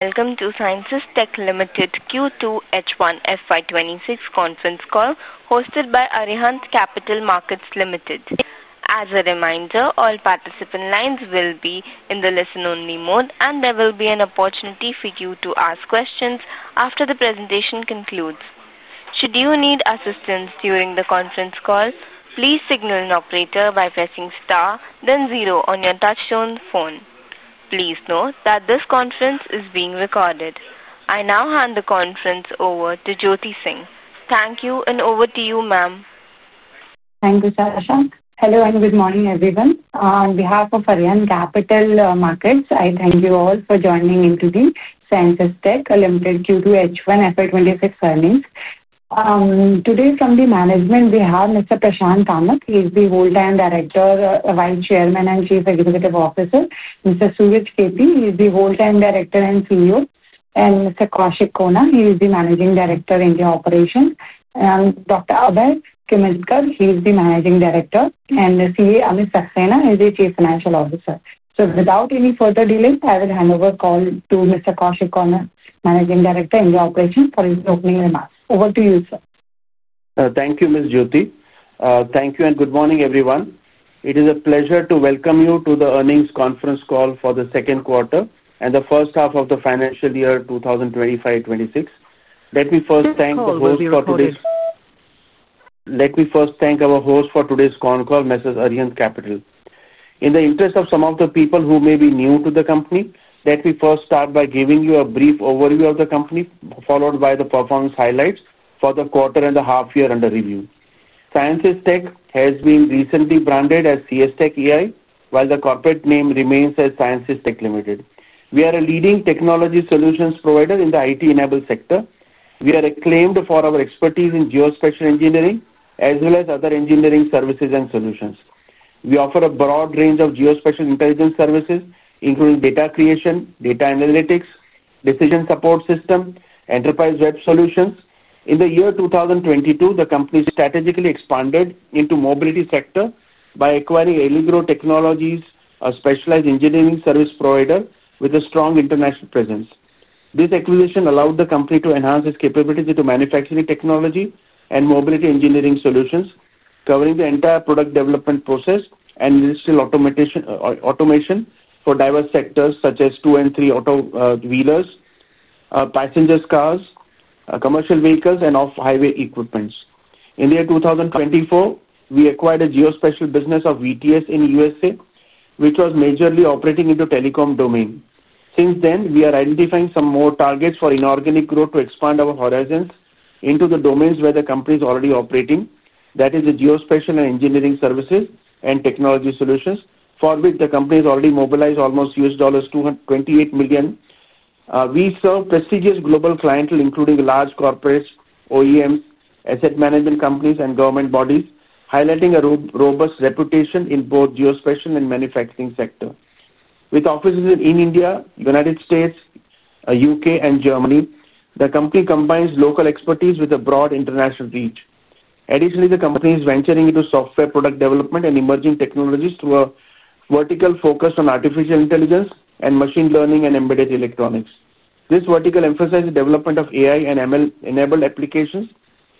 Welcome to Ceinsys Tech Limited Q2H1FY26 Conference Call, hosted by Arihant Capital Markets Limited. As a reminder, all participant lines will be in the listen-only mode, and there will be an opportunity for you to ask questions after the presentation concludes. Should you need assistance during the conference call, please signal an operator by pressing * then 0 on your touchtone phone. Please note that this conference is being recorded. I now hand the conference over to Jyoti Singh. Thank you, and over to you, ma'am. Thank you, Prashant. Hello and good morning, everyone. On behalf of Arihant Capital Markets, I thank you all for joining into the Ceinsys Tech Limited Q2H1FY26 earnings. Today, from the management, we have Mr. Prashant Kamat, he is the whole-time Director, Vice Chairman, and Chief Executive Officer. Mr. Surej K. P., he is the whole-time Director and CEO. Mr. Kaushik Khona, he is the Managing Director in Operations. Dr. Abhay Kimmatkar, he is the Managing Director. The CFO, Amita Saxena, is the Chief Financial Officer. Without any further delay, I will hand over the call to Mr. Kaushik Khona, Managing Director in Operations, for his opening remarks. Over to you, sir. Thank you, Ms. Jyoti. Thank you and good morning, everyone. It is a pleasure to welcome you to the earnings conference call for the second quarter and the first half of the financial year 2025-2026. Let me first thank the host for today. Thank you, Surej. Let me first thank our host for today's con call, Mrs. Arihant Capital. In the interest of some of the people who may be new to the company, let me first start by giving you a brief overview of the company, followed by the performance highlights for the quarter and the half-year under review. Ceinsys Tech has been recently branded as CS Tech AI, while the corporate name remains as Ceinsys Tech Limited. We are a leading technology solutions provider in the IT-enabled sector. We are acclaimed for our expertise in geospatial engineering as well as other engineering services and solutions. We offer a broad range of geospatial intelligence services, including data creation, data analytics, decision support systems, and enterprise web solutions. In the year 2022, the company strategically expanded into the mobility sector by acquiring Allegro Technologies, a specialized engineering service provider with a strong international presence. This acquisition allowed the company to enhance its capabilities into manufacturing technology and mobility engineering solutions, covering the entire product development process and industrial automation for diverse sectors such as two and three-auto wheelers, passenger cars, commercial vehicles, and off-highway equipment. In the year 2024, we acquired a geospatial business of VTS in the United States, which was majorly operating in the telecom domain. Since then, we are identifying some more targets for inorganic growth to expand our horizons into the domains where the company is already operating, that is, the geospatial and engineering services and technology solutions, for which the company has already mobilized almost $228 million. We serve prestigious global clientele, including large corporates, OEMs, asset management companies, and government bodies, highlighting a robust reputation in both the geospatial and manufacturing sectors. With offices in India, the U.S., the U.K., and Germany, the company combines local expertise with a broad international reach. Additionally, the company is venturing into software product development and emerging technologies through a vertical focus on artificial intelligence and machine learning and embedded electronics. This vertical emphasizes the development of AI and ML-enabled applications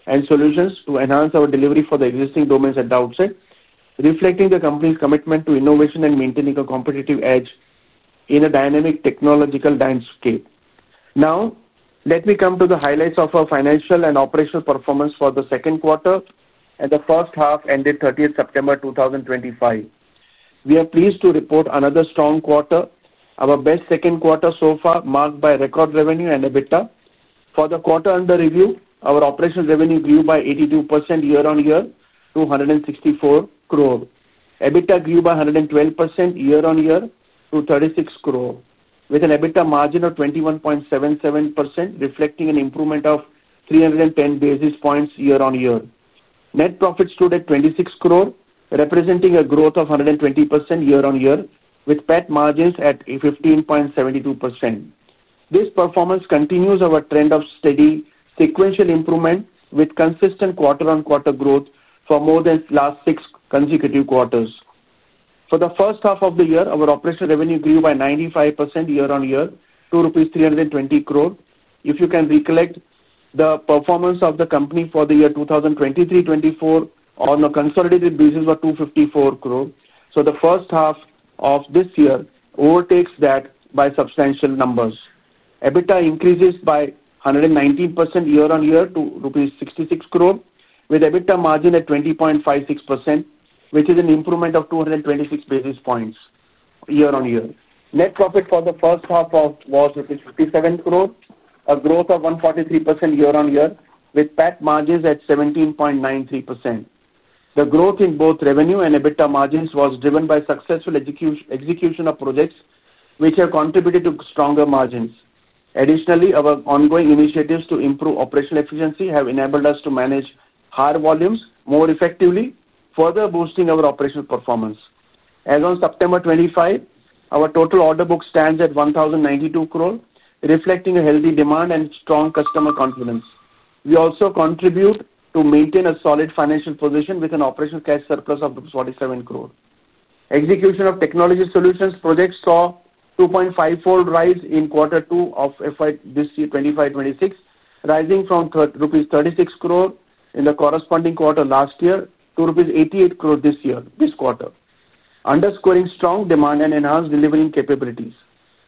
and solutions to enhance our delivery for the existing domains at the outset, reflecting the company's commitment to innovation and maintaining a competitive edge in a dynamic technological landscape. Now, let me come to the highlights of our financial and operational performance for the second quarter and the first half ended 30th September 2025. We are pleased to report another strong quarter, our best second quarter so far marked by record revenue and EBITDA. For the quarter under review, our operational revenue grew by 82% year-on-year to 164 crore. EBITDA grew by 112% year-on-year to 36 crore, with an EBITDA margin of 21.77%, reflecting an improvement of 310 basis points year-on-year. Net profit stood at 26 crore, representing a growth of 120% year-on-year, with PET margins at 15.72%. This performance continues our trend of steady sequential improvement with consistent quarter-on-quarter growth for more than the last six consecutive quarters. For the first half of the year, our operational revenue grew by 95% year-on-year to rupees 320 crore. If you can recollect the performance of the company for the year 2023-2024, on a consolidated basis, it was 254 crore. The first half of this year overtakes that by substantial numbers. EBITDA increases by 119% year-on-year to rupees 66 crore, with an EBITDA margin at 20.56%, which is an improvement of 226 basis points year-on-year. Net profit for the first half was rupees 57 crore, a growth of 143% year-on-year, with PAT margins at 17.93%. The growth in both revenue and EBITDA margins was driven by successful execution of projects, which have contributed to stronger margins. Additionally, our ongoing initiatives to improve operational efficiency have enabled us to manage higher volumes more effectively, further boosting our operational performance. As of September 25, our total order book stands at 1,092 crore, reflecting a healthy demand and strong customer confidence. We also continue to maintain a solid financial position with an operational cash surplus of 47 crore. Execution of technology solutions projects saw a 2.5-fold rise in quarter two of FY 2025-2026, rising from rupees 36 crore in the corresponding quarter last year to rupees 88 crore this quarter, underscoring strong demand and enhanced delivery capabilities.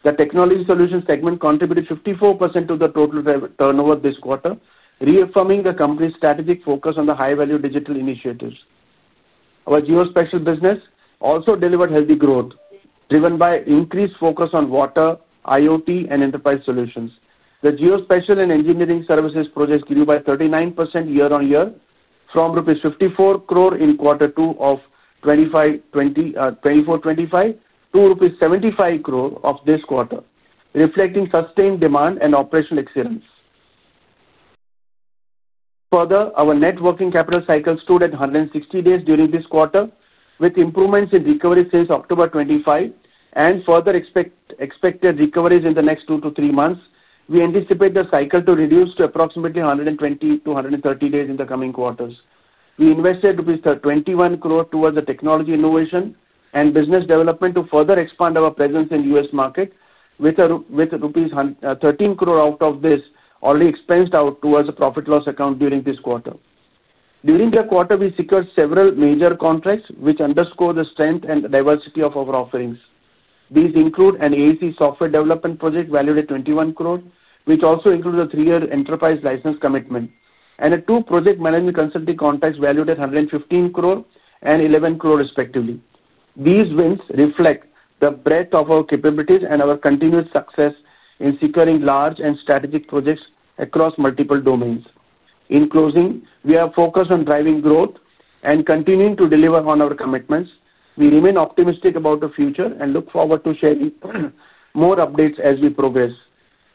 The technology solutions segment contributed 54% to the total turnover this quarter, reaffirming the company's strategic focus on the high-value digital initiatives. Our geospatial business also delivered healthy growth, driven by increased focus on water, IoT, and enterprise solutions. The geospatial and engineering services projects grew by 39% year-on-year from rupees 54 crore in quarter two of 2024-2025 to rupees 75 crore this quarter, reflecting sustained demand and operational excellence. Further, our net working capital cycle stood at 160 days during this quarter, with improvements in recovery since October 2025 and further expected recoveries in the next two to three months. We anticipate the cycle to reduce to approximately 120-130 days in the coming quarters. We invested rupees 21 crore towards technology innovation and business development to further expand our presence in the US market, with rupees 13 crore out of this already expensed out towards the profit-loss account during this quarter. During the quarter, we secured several major contracts, which underscore the strength and diversity of our offerings. These include an AC software development project valued at 21 crore, which also includes a three-year enterprise license commitment, and two project management consulting contracts valued at 115 crore and 11 crore, respectively. These wins reflect the breadth of our capabilities and our continued success in securing large and strategic projects across multiple domains. In closing, we are focused on driving growth and continuing to deliver on our commitments. We remain optimistic about the future and look forward to sharing more updates as we progress.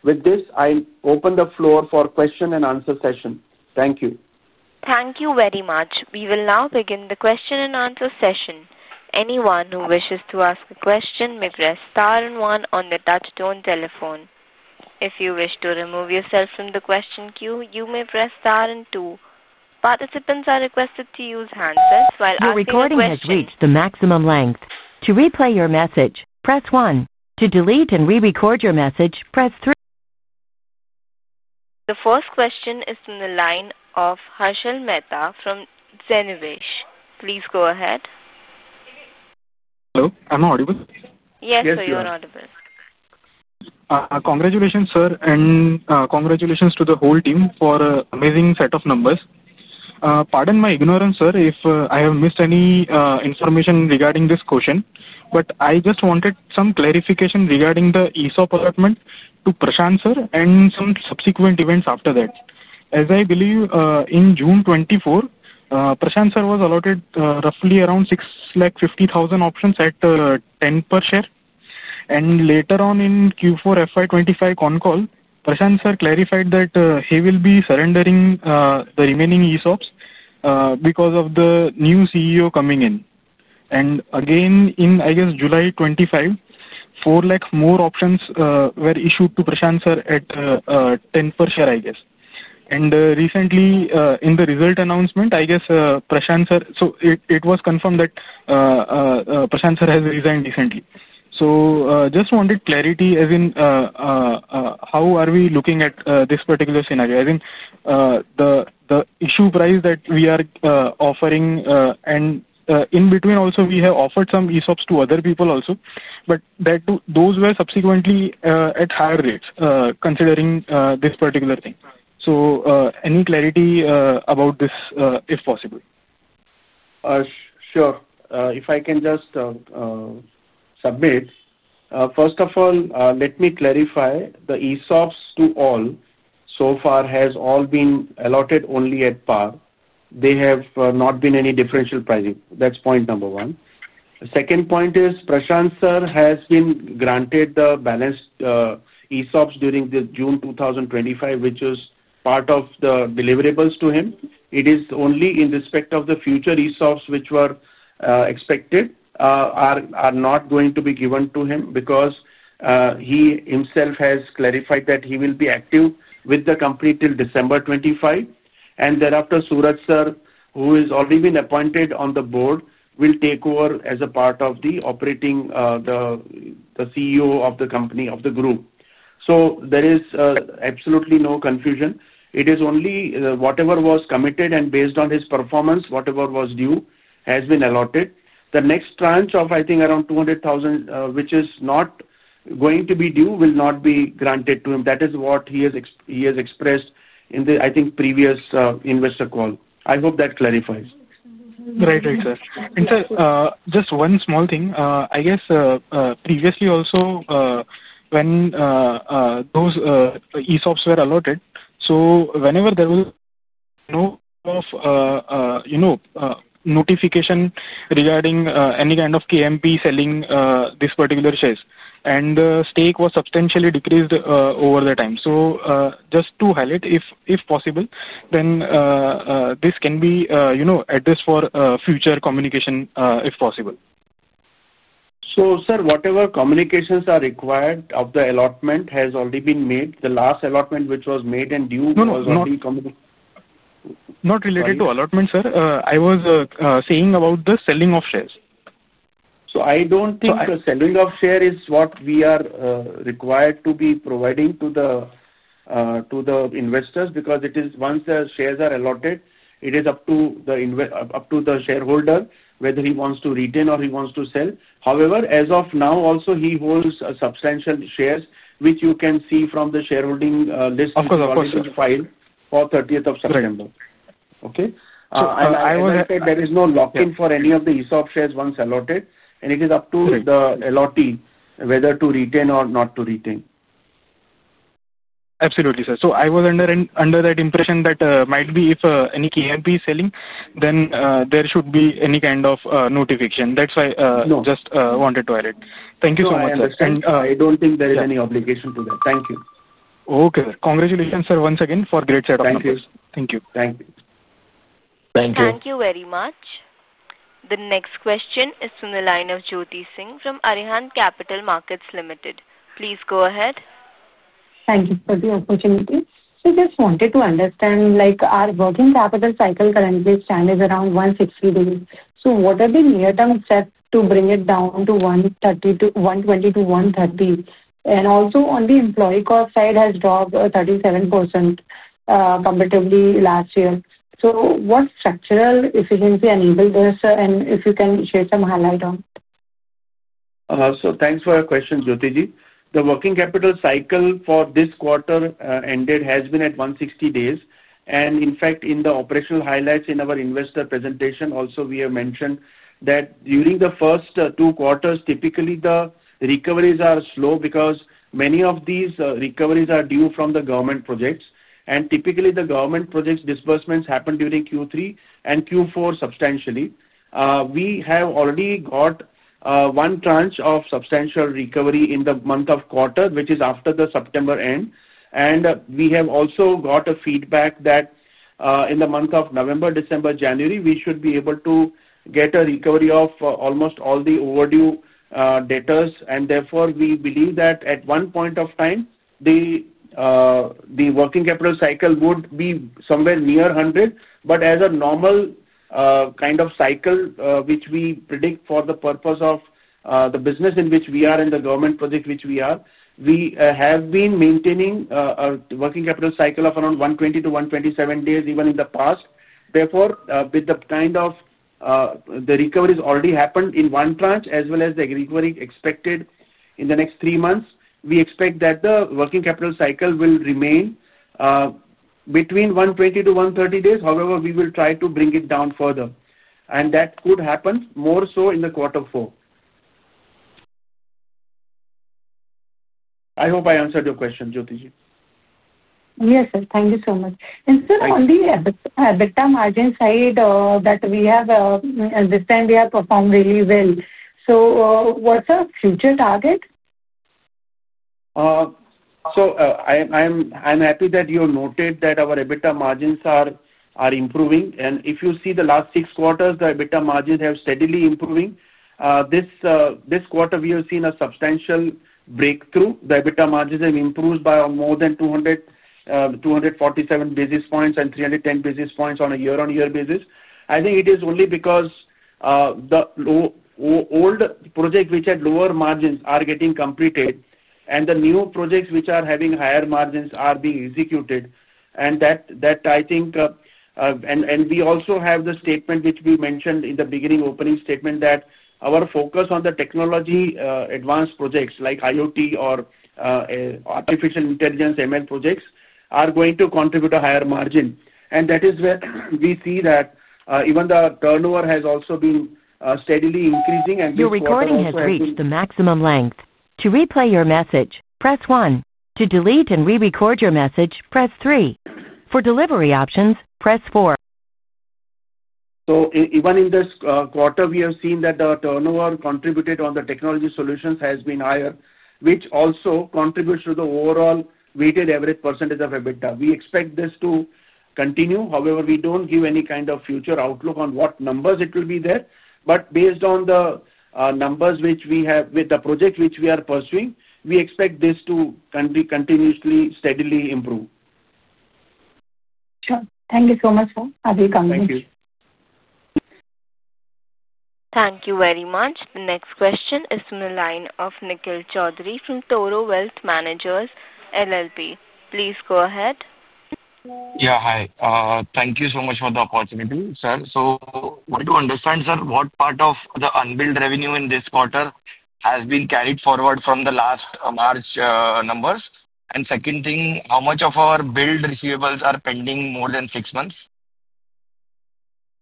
With this, I open the floor for a question-and-answer session. Thank you. Thank you very much. We will now begin the question-and-answer session. Anyone who wishes to ask a question may press star and one on the touchtone telephone. If you wish to remove yourself from the question queue, you may press star and two. Participants are requested to use handsets while asking questions. The recording has reached the maximum length. To replay your message, press one. To delete and re-record your message, press three. The first question is from the line of Harsal Mehta from Zen Nivesh. Please go ahead. Hello. Am I audible? Yes, you are audible. Congratulations, sir, and congratulations to the whole team for an amazing set of numbers. Pardon my ignorance, sir, if I have missed any information regarding this question. I just wanted some clarification regarding the ESOP allotment to Prashant sir and some subsequent events after that. As I believe, in June 2024, Prashant sir was allotted roughly around 650,000 options at 10 per share. Later on in Q4 FY2025 con call, Prashant sir clarified that he will be surrendering the remaining ESOPs because of the new CEO coming in. I guess, in July 2025, 400,000 more options were issued to Prashant sir at 10 per share, I guess. Recently, in the result announcement, I guess, Prashant sir, it was confirmed that Prashant sir has resigned recently. I just wanted clarity, as in, how are we looking at this particular scenario? As in the issue price that we are offering, and in between, also, we have offered some ESOPs to other people also. Those were subsequently at higher rates, considering this particular thing. Any clarity about this if possible? Sure. If I can just. Submit, first of all, let me clarify, the ESOPs to all so far have all been allotted only at par. There have not been any differential pricing. That's point number one. The second point is Prashant sir has been granted the balanced ESOPs during June 2025, which is part of the deliverables to him. It is only in respect of the future ESOPs which were expected. Are not going to be given to him because he himself has clarified that he will be active with the company till December 2025. Thereafter, Surej sir, who has already been appointed on the board, will take over as a part of the operating. The CEO of the company, of the group. There is absolutely no confusion. It is only whatever was committed and based on his performance, whatever was due has been allotted. The next tranche of, I think, around 200,000, which is not going to be due, will not be granted to him. That is what he has expressed in the, I think, previous investor call. I hope that clarifies. Right, right, sir. And sir, just one small thing. I guess previously also, when those ESOPs were allotted, whenever there was no notification regarding any kind of KMP selling these particular shares, and the stake was substantially decreased over time. Just to highlight, if possible, then this can be addressed for future communication if possible. Sir, whatever communications are required of the allotment have already been made. The last allotment which was made and due was already communicated. Not related to allotment, sir. I was saying about the selling of shares. I don't think the selling of shares is what we are required to be providing to the investors because it is once the shares are allotted, it is up to the shareholder whether he wants to retain or he wants to sell. However, as of now, also, he holds substantial shares, which you can see from the shareholding list. Of course, of course. Which is filed for 30th of September, okay? I was. As I said, there is no lock-in for any of the ESOP shares once allotted, and it is up to the allottee whether to retain or not to retain. Absolutely, sir. I was under that impression that maybe if any KMP is selling, then there should be any kind of notification. That is why I just wanted to add it. Thank you so much, sir. I understand. I don't think there is any obligation to that. Thank you. Okay. Congratulations, sir, once again, for a great set of numbers. Thank you. Thank you. Thank you. Thank you very much. The next question is from the line of Jyoti Singh from Arihant Capital Markets Limited. Please go ahead. Thank you for the opportunity. I just wanted to understand, our working capital cycle currently stands around 160 days. What are the near-term steps to bring it down to 120-130? Also, on the employee cost side, it has dropped 37% compared to last year. What structural efficiency enabled this, and if you can share some highlight on? Thank you for your question, Jyoti ji. The working capital cycle for this quarter ended has been at 160 days. In fact, in the operational highlights in our investor presentation, we have mentioned that during the first two quarters, typically, the recoveries are slow because many of these recoveries are due from the government projects. Typically, the government projects' disbursements happen during Q3 and Q4 substantially. We have already got one tranche of substantial recovery in the month of quarter, which is after the September end. We have also got feedback that in the month of November, December, January, we should be able to get a recovery of almost all the overdue debtors. Therefore, we believe that at one point of time, the working capital cycle would be somewhere near 100. As a normal kind of cycle, which we predict for the purpose of the business in which we are and the government project which we are, we have been maintaining a working capital cycle of around 120-127 days even in the past. Therefore, with the kind of recoveries already happened in one tranche as well as the recovery expected in the next three months, we expect that the working capital cycle will remain between 120-130 days. However, we will try to bring it down further. That could happen more so in the quarter four. I hope I answered your question, Jyoti ji. Yes, sir. Thank you so much. Sir, on the EBITDA margin side, that we have. This time, we have performed really well. What's our future target? I'm happy that you noted that our EBITDA margins are improving. If you see the last six quarters, the EBITDA margins have steadily improved. This quarter, we have seen a substantial breakthrough. The EBITDA margins have improved by more than 247 basis points and 310 basis points on a year-on-year basis. I think it is only because the old projects which had lower margins are getting completed, and the new projects which are having higher margins are being executed. I think, and we also have the statement which we mentioned in the beginning, opening statement, that our focus on the technology-advanced projects like IoT or artificial intelligence (ML) projects are going to contribute a higher margin. That is where we see that even the turnover has also been steadily increasing and this quarter. Your recording has reached the maximum length. To replay your message, press one. To delete and re-record your message, press three. For delivery options, press four. Even in this quarter, we have seen that the turnover contributed on the technology solutions has been higher, which also contributes to the overall weighted average percentage of EBITDA. We expect this to continue. However, we do not give any kind of future outlook on what numbers it will be there. Based on the numbers which we have with the project which we are pursuing, we expect this to continuously, steadily improve. Sure. Thank you so much, sir. Have a good conversation. Thank you. Thank you very much. The next question is from the line of Nikhil Chowdhary from Toro Wealth Managers LLP. Please go ahead. Yeah, hi. Thank you so much for the opportunity, sir. I want to understand, sir, what part of the unbilled revenue in this quarter has been carried forward from the last March numbers? Second thing, how much of our billed receivables are pending more than six months?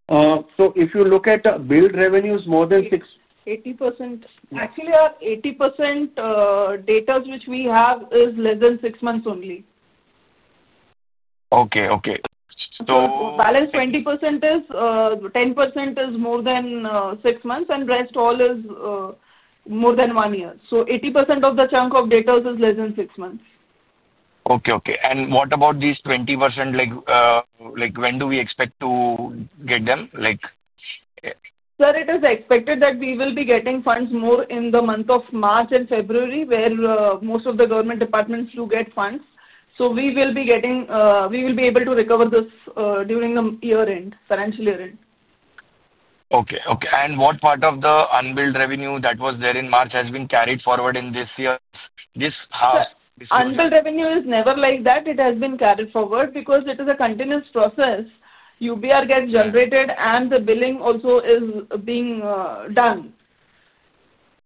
If you look at billed revenues, more than six. 80%. Actually, our 80%. Debtors which we have is less than six months only. Okay, okay. Balance 20% is 10% is more than six months, and rest all is more than one year. 80% of the chunk of debtors is less than six months. Okay, okay. What about these 20%? When do we expect to get them? Sir, it is expected that we will be getting funds more in the month of March and February, where most of the government departments do get funds. We will be able to recover this during the year-end, financial year-end. Okay, okay. What part of the unbilled revenue that was there in March has been carried forward in this year? Unbilled revenue is never like that. It has been carried forward because it is a continuous process. UBR gets generated, and the billing also is being done.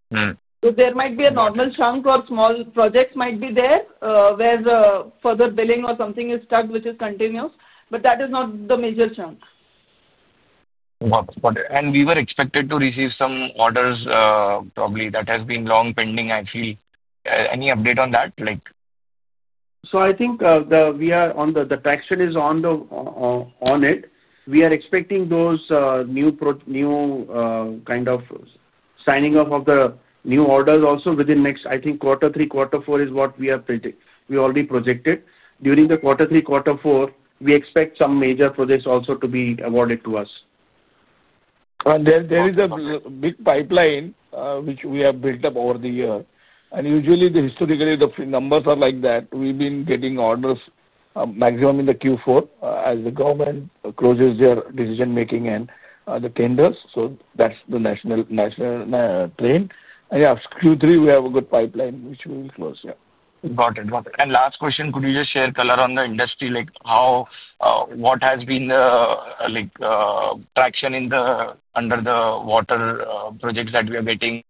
There might be a normal chunk or small projects might be there where further billing or something is stuck, which is continuous. That is not the major chunk. Got it. Got it. We were expected to receive some orders, probably, that have been long pending, I feel. Any update on that? I think we are on, the traction is on. We are expecting those new kind of signing off of the new orders also within next, I think, quarter three, quarter four is what we have already projected. During the quarter three, quarter four, we expect some major projects also to be awarded to us. There is a big pipeline which we have built up over the year. Usually, historically, the numbers are like that. We've been getting orders maximum in the Q4 as the government closes their decision-making and the tenders. That's the national trend. Yeah, Q3, we have a good pipeline which we will close, yeah. Got it, got it. Last question, could you just share color on the industry? What has been the traction under the water projects that we are getting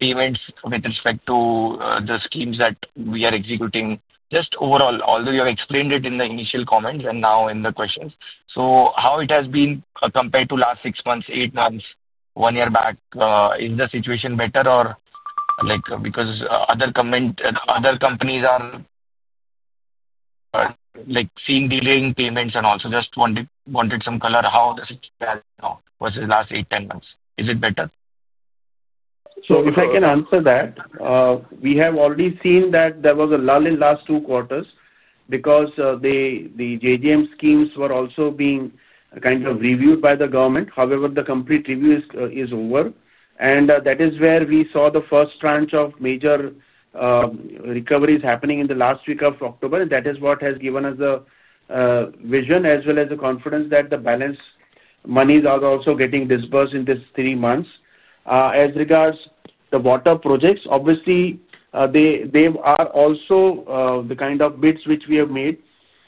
payments with respect to the schemes that we are executing? Just overall, although you have explained it in the initial comments and now in the questions, how has it been compared to the last six months, eight months, one year back? Is the situation better or because other companies are seeing delaying payments and also just wanted some color how the situation has been now versus the last 8-10 months? Is it better? If I can answer that, we have already seen that there was a lull in the last two quarters because the JJM schemes were also being kind of reviewed by the government. However, the complete review is over. That is where we saw the first tranche of major recoveries happening in the last week of October. That is what has given us the vision as well as the confidence that the balance monies are also getting disbursed in these three months. As regards to the water projects, obviously they are also the kind of bids which we have made.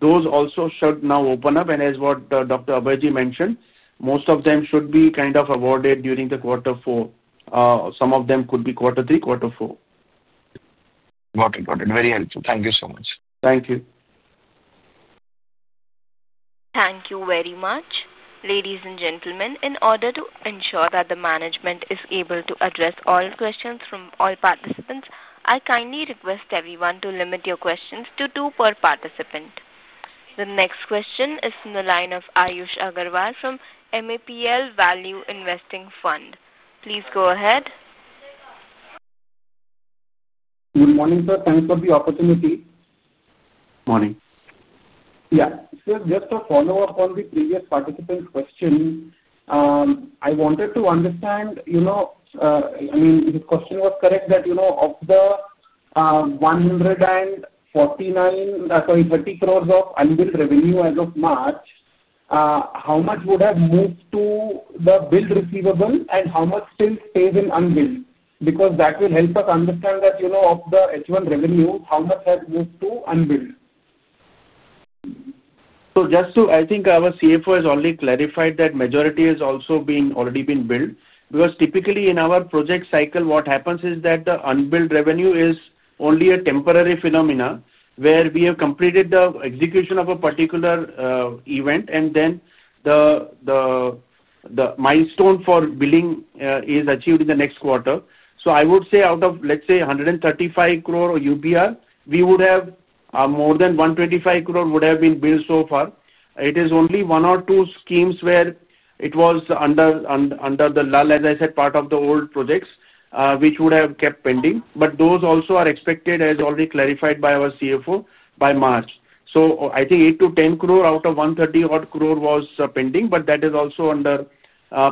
Those also should now open up. As what Dr. Abhay Ji mentioned, most of them should be kind of awarded during quarter four. Some of them could be quarter three, quarter four. Got it, got it. Very helpful. Thank you so much. Thank you. Thank you very much. Ladies and gentlemen, in order to ensure that the management is able to address all questions from all participants, I kindly request everyone to limit your questions to two per participant. The next question is from the line of Ayush Agarwal from MAPL Value Investing Fund. Please go ahead. Good morning, sir. Thanks for the opportunity. Morning. Yeah. Sir, just a follow-up on the previous participant question. I wanted to understand. I mean, his question was correct that of the 30 crore of unbilled revenue as of March, how much would have moved to the billed receivable and how much still stays in unbilled? Because that will help us understand that of the H1 revenue, how much has moved to unbilled? Just to, I think our CFO has already clarified that majority has also already been billed. Because typically, in our project cycle, what happens is that the UBR is only a temporary phenomena where we have completed the execution of a particular event, and then the milestone for billing is achieved in the next quarter. I would say out of, let's say, 135 crore UBR, we would have more than 125 crore would have been billed so far. It is only one or two schemes where it was under the lull, as I said, part of the old projects which would have kept pending. Those also are expected, as already clarified by our CFO, by March. I think 8-10 crore out of 130 crore was pending, but that is also under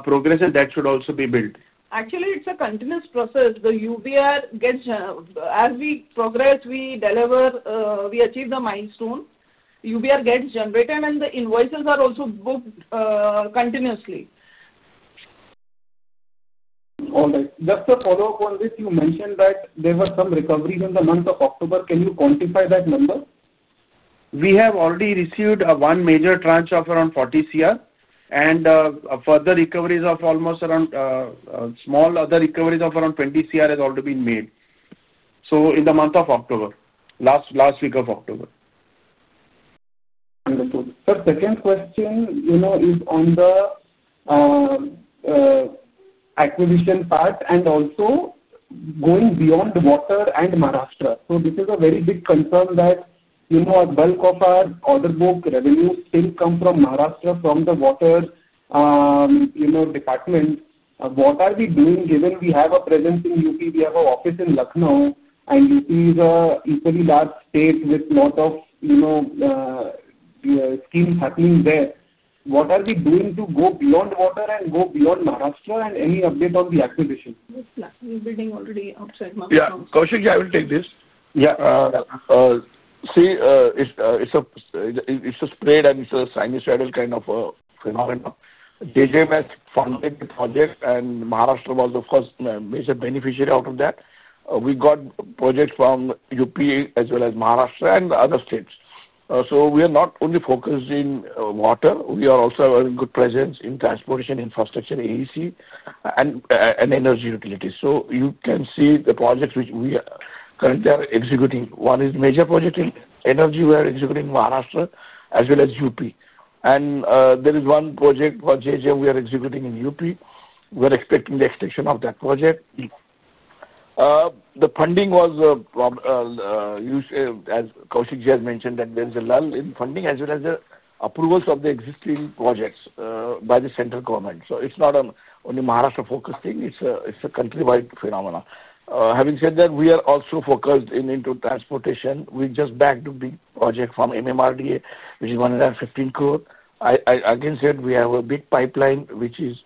progress, and that should also be billed. Actually, it's a continuous process. The UBR gets, as we progress, we deliver, we achieve the milestone. UBR gets generated, and the invoices are also booked continuously. All right. Just a follow-up on this. You mentioned that there were some recoveries in the month of October. Can you quantify that number? We have already received one major tranche of around 40 crore, and further recoveries of almost around—small other recoveries of around 20 crore have already been made. In the month of October, last week of October. Wonderful. Sir, second question is on the acquisition part and also going beyond water and Maharashtra. This is a very big concern that a bulk of our order book revenues still come from Maharashtra, from the water department. What are we doing given we have a presence in UP? We have an office in Lucknow, and UP is an equally large state with a lot of schemes happening there. What are we doing to go beyond water and go beyond Maharashtra? Any update on the acquisition? It's lucky we're building already outside Maharashtra. Yeah. Kaushik, I will take this. Yeah. See. It's a spread and it's a sinusoidal kind of phenomena. JJM has funded the project, and Maharashtra was the first major beneficiary out of that. We got projects from Uttar Pradesh as well as Maharashtra and other states. We are not only focused in water. We are also having good presence in transportation infrastructure, AEC, and energy utilities. You can see the projects which we currently are executing. One is major project in energy. We are executing in Maharashtra as well as Uttar Pradesh. There is one project for JJM we are executing in Uttar Pradesh. We are expecting the extension of that project. The funding was, as Kaushik Khona has mentioned, that there is a lull in funding as well as the approvals of the existing projects by the central government. It is not only a Maharashtra-focused thing. It is a countrywide phenomena. Having said that, we are also focused into transportation. We just backed a big project from MMRDA, which is 115 crore. Again, we have a big pipeline, which is,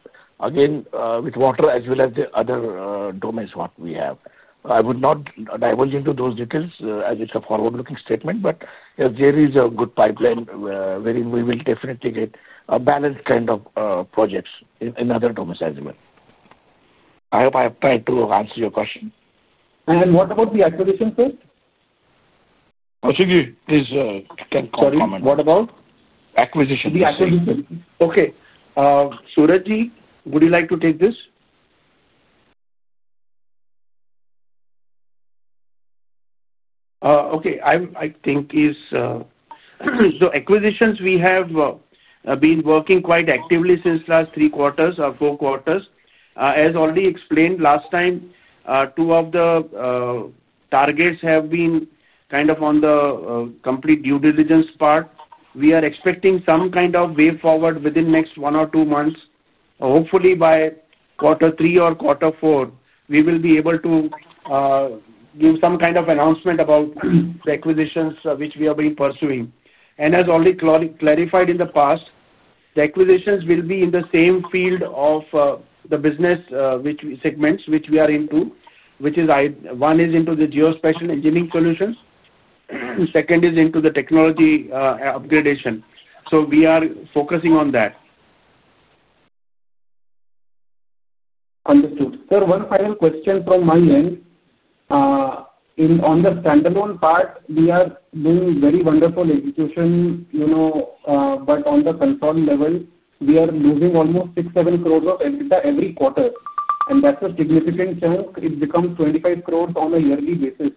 again, with water as well as the other domains what we have. I would not divulge into those details as it's a forward-looking statement, but there is a good pipeline wherein we will definitely get a balanced kind of projects in other domains as well. I hope I have tried to answer your question. What about the acquisition, sir? Kaushik Khona, please can comment. Sorry, what about? Acquisition. The acquisition. Okay. Surejji, would you like to take this? Okay. I think. So acquisitions, we have been working quite actively since the last three quarters or four quarters. As already explained last time, two of the targets have been kind of on the complete due diligence part. We are expecting some kind of way forward within the next one or two months. Hopefully, by quarter three or quarter four, we will be able to give some kind of announcement about the acquisitions which we are pursuing. As already clarified in the past, the acquisitions will be in the same field of the business segments which we are into, which is one is into the geospatial engineering solutions. Second is into the technology upgradation. We are focusing on that. Understood. Sir, one final question from my end. On the standalone part, we are doing very wonderful execution on the consolidation level, we are losing almost 6 crore-7 crore of EBITDA every quarter. That is a significant chunk. It becomes 25 crore on a yearly basis.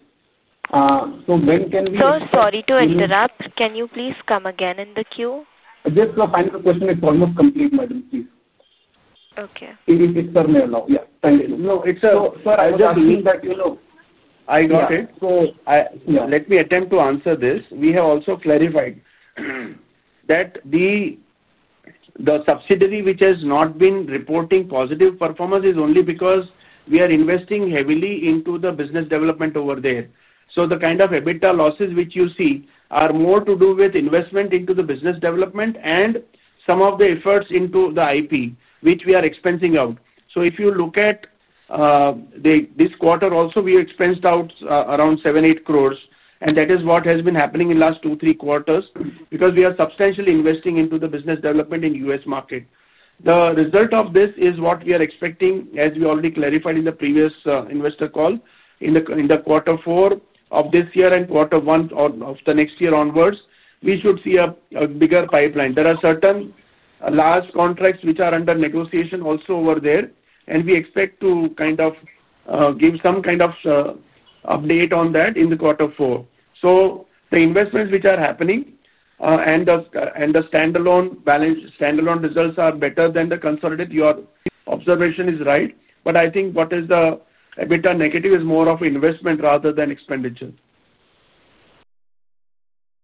When can we? Sir, sorry to interrupt. Can you please come again in the queue? Yes, sir. Final question. It's almost complete, madam, please. Okay. If sir may allow. Yeah. No, it's a question that you know. I got it. Let me attempt to answer this. We have also clarified that the subsidiary which has not been reporting positive performance is only because we are investing heavily into the business development over there. The kind of EBITDA losses which you see are more to do with investment into the business development and some of the efforts into the IP, which we are expensing out. If you look at this quarter also, we expensed out around 7 crore-8 crore. That is what has been happening in the last two-three quarters because we are substantially investing into the business development in the US market. The result of this is what we are expecting, as we already clarified in the previous investor call, in the quarter four of this year and quarter one of the next year onwards, we should see a bigger pipeline. There are certain large contracts which are under negotiation also over there, and we expect to kind of give some kind of update on that in the quarter four. The investments which are happening and the standalone results are better than the consolidated. Your observation is right. I think what is the EBITDA negative is more of investment rather than expenditure.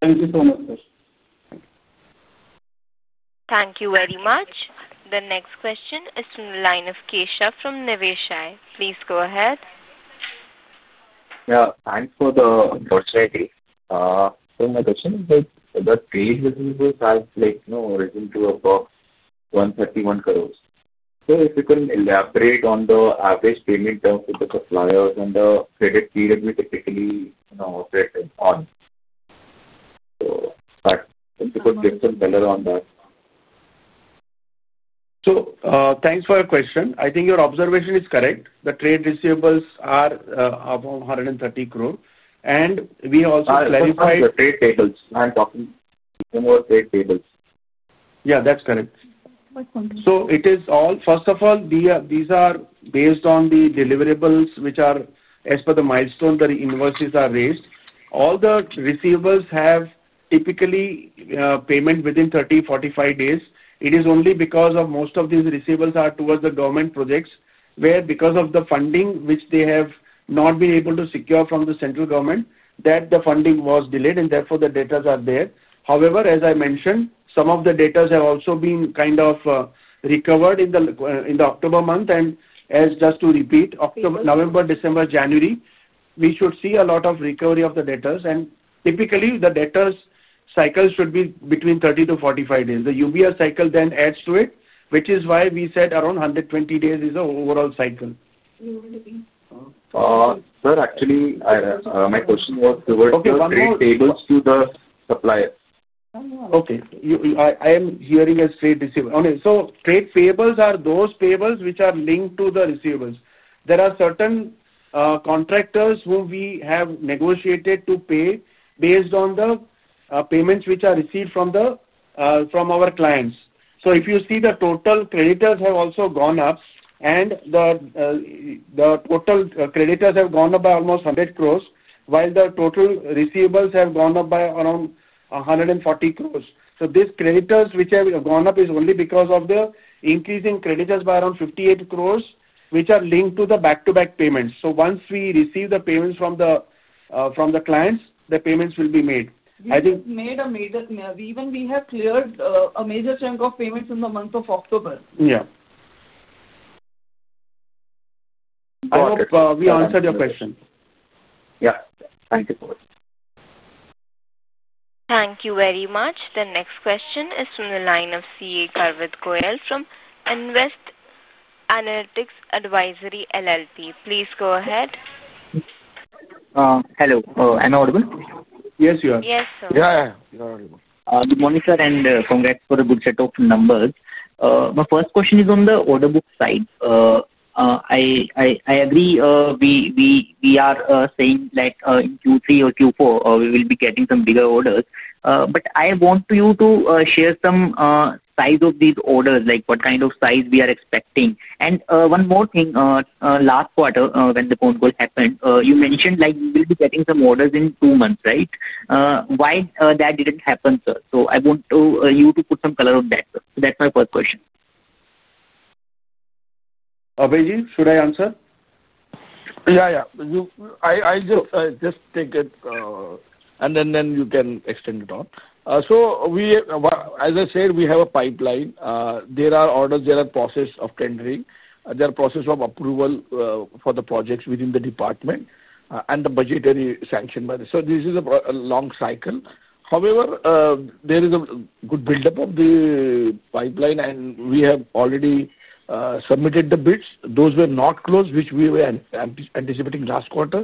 Thank you so much, sir. Thank you very much. The next question is from the line of Keshav from Niveshaay. Please go ahead. Yeah. Thanks for the opportunity. My question is that the trade revenues have risen to about INR 131 crore. If you can elaborate on the average payment terms with the suppliers and the credit period we typically operate on. If you could give some color on that. Thank you for your question. I think your observation is correct. The trade receivables are above 130 crore. We also clarified. I'm talking about the trade tables. Yeah, that's correct. It is all, first of all, these are based on the deliverables which are, as per the milestone, the invoices are raised. All the receivables have typically payment within 30-45 days. It is only because most of these receivables are towards the government projects where, because of the funding which they have not been able to secure from the central government, the funding was delayed, and therefore the datas are there. However, as I mentioned, some of the datas have also been kind of recovered in the October month. Just to repeat, November, December, January, we should see a lot of recovery of the datas. Typically, the datas cycle should be between 30-45 days. The UBR cycle then adds to it, which is why we said around 120 days is the overall cycle. Sir, actually, my question was towards the trade payables to the suppliers. Okay. I am hearing as trade receivables. Trade payables are those payables which are linked to the receivables. There are certain contractors who we have negotiated to pay based on the payments which are received from our clients. If you see, the total creditors have also gone up. The total creditors have gone up by almost 100 crores, while the total receivables have gone up by around 140 crores. These creditors which have gone up is only because of the increase in creditors by around 58 crores, which are linked to the back-to-back payments. Once we receive the payments from the clients, the payments will be made. We have made a major, even we have cleared a major chunk of payments in the month of October. Yeah. I hope we answered your question. Yeah. Thank you. Thank you very much. The next question is from the line of CA Garvit Goyal from Invest Analytics Advisory LLP. Please go ahead. Hello. Am I audible? Yes, you are. Yes, sir. Yeah, yeah. You're audible. Good morning, sir, and congrats for a good set of numbers. My first question is on the order book side. I agree. We are saying that in Q3 or Q4, we will be getting some bigger orders. I want you to share some size of these orders, like what kind of size we are expecting. One more thing, last quarter, when the phone call happened, you mentioned you will be getting some orders in two months, right? Why that did not happen, sir? I want you to put some color on that. That is my first question. Abhay Ji, should I answer? Yeah, yeah. I'll just take it. Then you can extend it on. As I said, we have a pipeline. There are orders that are in the process of tendering. There are processes of approval for the projects within the department and the budgetary sanction by the... This is a long cycle. However, there is a good buildup of the pipeline, and we have already submitted the bids. Those were not closed, which we were anticipating last quarter.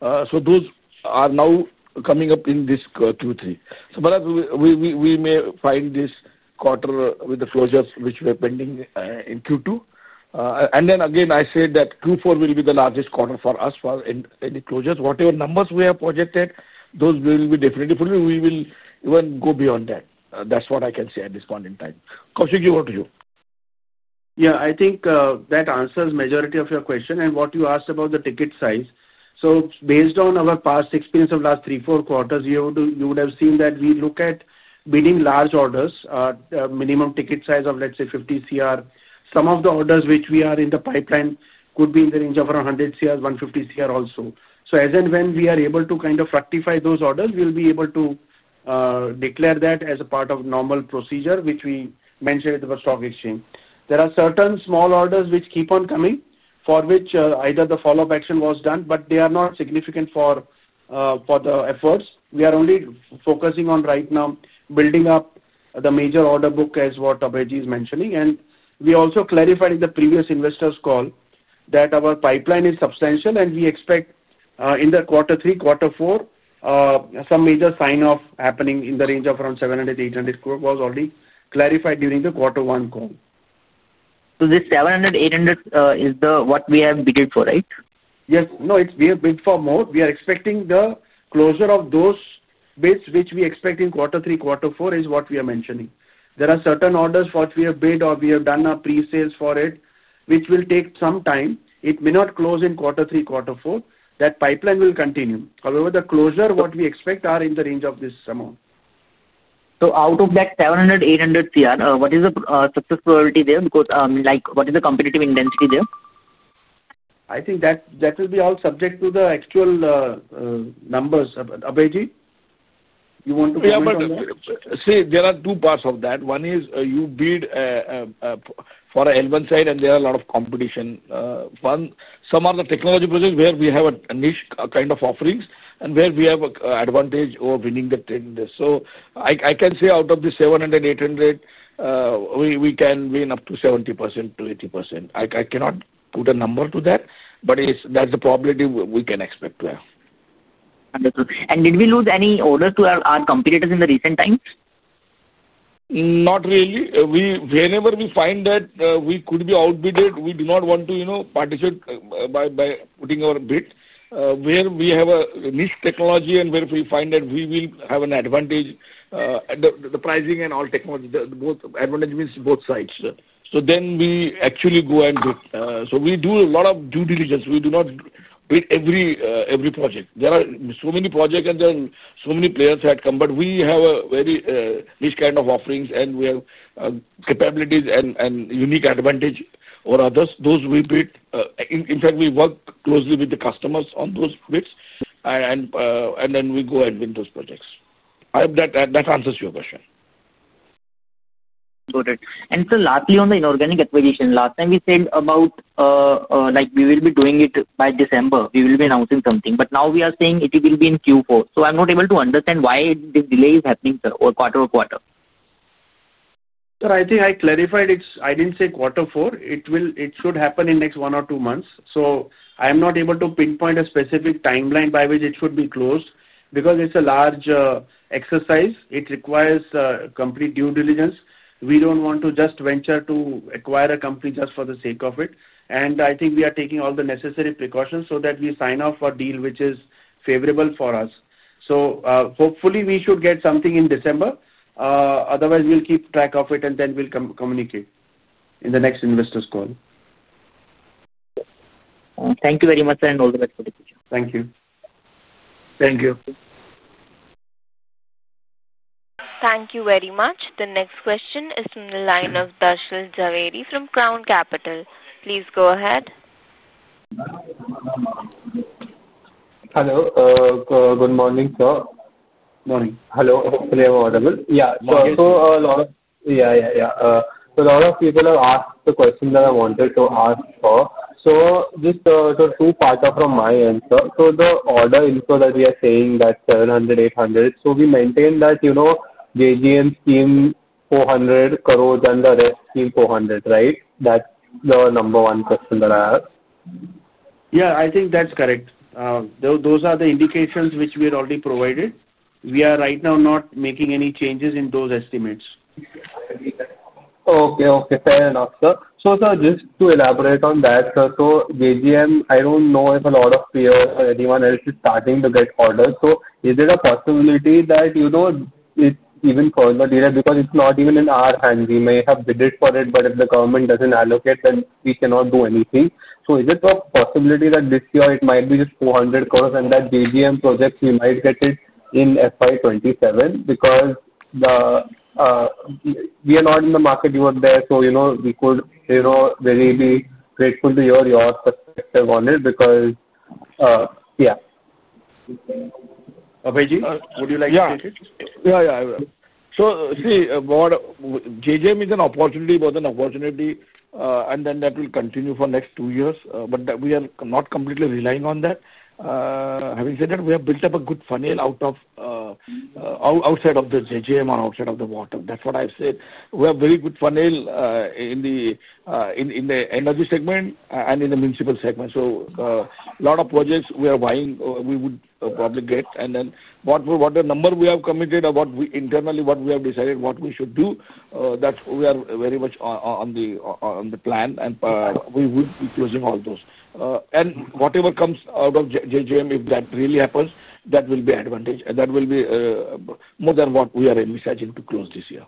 Those are now coming up in this Q3. Perhaps we may find this quarter with the closures which were pending in Q2. Again, I said that Q4 will be the largest quarter for us for any closures. Whatever numbers we have projected, those will be definitely fulfilled. We will even go beyond that. That's what I can say at this point in time. Kaushik, you want to do? Yeah, I think that answers the majority of your question and what you asked about the ticket size. Based on our past experience of last three, four quarters, you would have seen that we look at bidding large orders, minimum ticket size of, let's say, 50 crore. Some of the orders which we are in the pipeline could be in the range of around 100 crore-150 crore also. As and when we are able to kind of rectify those orders, we will be able to declare that as a part of normal procedure, which we mentioned at the stock exchange. There are certain small orders which keep on coming for which either the follow-up action was done, but they are not significant for the efforts. We are only focusing on right now building up the major order book as what Abhay Ji is mentioning. We also clarified in the previous investor's call that our pipeline is substantial, and we expect in quarter three, quarter four, some major sign-off happening in the range of around 700 crore-800 crore was already clarified during the quarter one call. This 700 crore-800 crore is what we have bidded for, right? Yes. No, we have bid for more. We are expecting the closure of those bids which we expect in quarter three, quarter four is what we are mentioning. There are certain orders for which we have bid or we have done a pre-sale for it, which will take some time. It may not close in quarter three, quarter four. That pipeline will continue. However, the closure, what we expect, are in the range of this amount. of that 700 crore-800 crore, what is the success priority there? What is the competitive intensity there? I think that will be all subject to the actual numbers. Abhay Ji, you want to go ahead and... See, there are two parts of that. One is you bid. For a L1 side, and there is a lot of competition. Some are the technology projects where we have a niche kind of offerings and where we have an advantage over winning the tender. I can say out of the 700 crore-800 crore, we can win up to 70%-80%. I cannot put a number to that, but that is the probability we can expect to have. Understood. Did we lose any orders to our competitors in the recent times? Not really. Whenever we find that we could be outbidded, we do not want to participate by putting our bid where we have a niche technology and where we find that we will have an advantage. The pricing and all technology, both advantage means both sides. We actually go and bid. We do a lot of due diligence. We do not bid every project. There are so many projects and there are so many players who have come. We have a very niche kind of offerings and we have capabilities and unique advantage over others. Those we bid. In fact, we work closely with the customers on those bids, and then we go and win those projects. I hope that answers your question. Got it. Sir, lastly, on the inorganic acquisition, last time we said about we will be doing it by December. We will be announcing something. Now we are saying it will be in Q4. I'm not able to understand why this delay is happening over quarter over quarter. Sir, I think I clarified. I did not say quarter four. It should happen in the next one or two months. I am not able to pinpoint a specific timeline by which it should be closed because it is a large exercise. It requires complete due diligence. We do not want to just venture to acquire a company just for the sake of it. I think we are taking all the necessary precautions so that we sign off a deal which is favorable for us. Hopefully, we should get something in December. Otherwise, we will keep track of it, and then we will communicate in the next investor's call. Thank you very much, sir, and all the best for the future. Thank you. Thank you. Thank you very much. The next question is from the line of Darshil Jhaveri from Crown Capital. Please go ahead. Hello. Good morning, sir. Morning. Hello. Hopefully, I'm audible. Yeah. A lot of people have asked the question that I wanted to ask for. Just two parts from my end, sir. The order info that we are saying, that 700 crore-800 crore. We maintain that. JJM scheme 400 crore and the rest scheme 400 crore, right? That is the number one question that I asked. Yeah, I think that's correct. Those are the indications which we had already provided. We are right now not making any changes in those estimates. Okay, okay. Fair enough, sir. So sir, just to elaborate on that, sir, so JJM, I do not know if a lot of POs or anyone else is starting to get orders. Is it a possibility that it is even further delayed because it is not even in our hands? We may have bid for it, but if the government does not allocate, then we cannot do anything. Is it a possibility that this year, it might be just 400 crore and that JJM project, we might get it in FY2027 because we are not in the market you were there? We could really be grateful to hear your perspective on it because... Yeah. Abhay Ji, would you like to take it? Yeah, yeah. See, JJM is an opportunity, more than opportunity, and that will continue for the next two years. We are not completely relying on that. Having said that, we have built up a good funnel out of the JJM or outside of the board. That's what I have said. We have a very good funnel in the energy segment and in the municipal segment. A lot of projects we are buying, we would probably get. Whatever number we have committed or internally what we have decided we should do, we are very much on the plan, and we would be closing all those. Whatever comes out of JJM, if that really happens, that will be an advantage. That will be more than what we are aiming to close this year.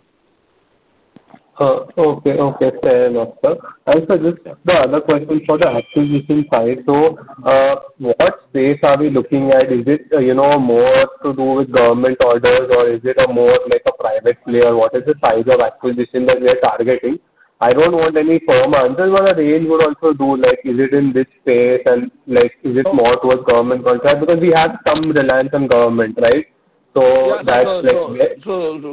Okay, okay. Fair enough, sir. Sir, just the other question for the acquisition side. What space are we looking at? Is it more to do with government orders, or is it more like a private player? What is the size of acquisition that we are targeting? I do not want any firm answers, but I really would also do, is it in this space, and is it more towards government contract? Because we have some reliance on government, right? That is like.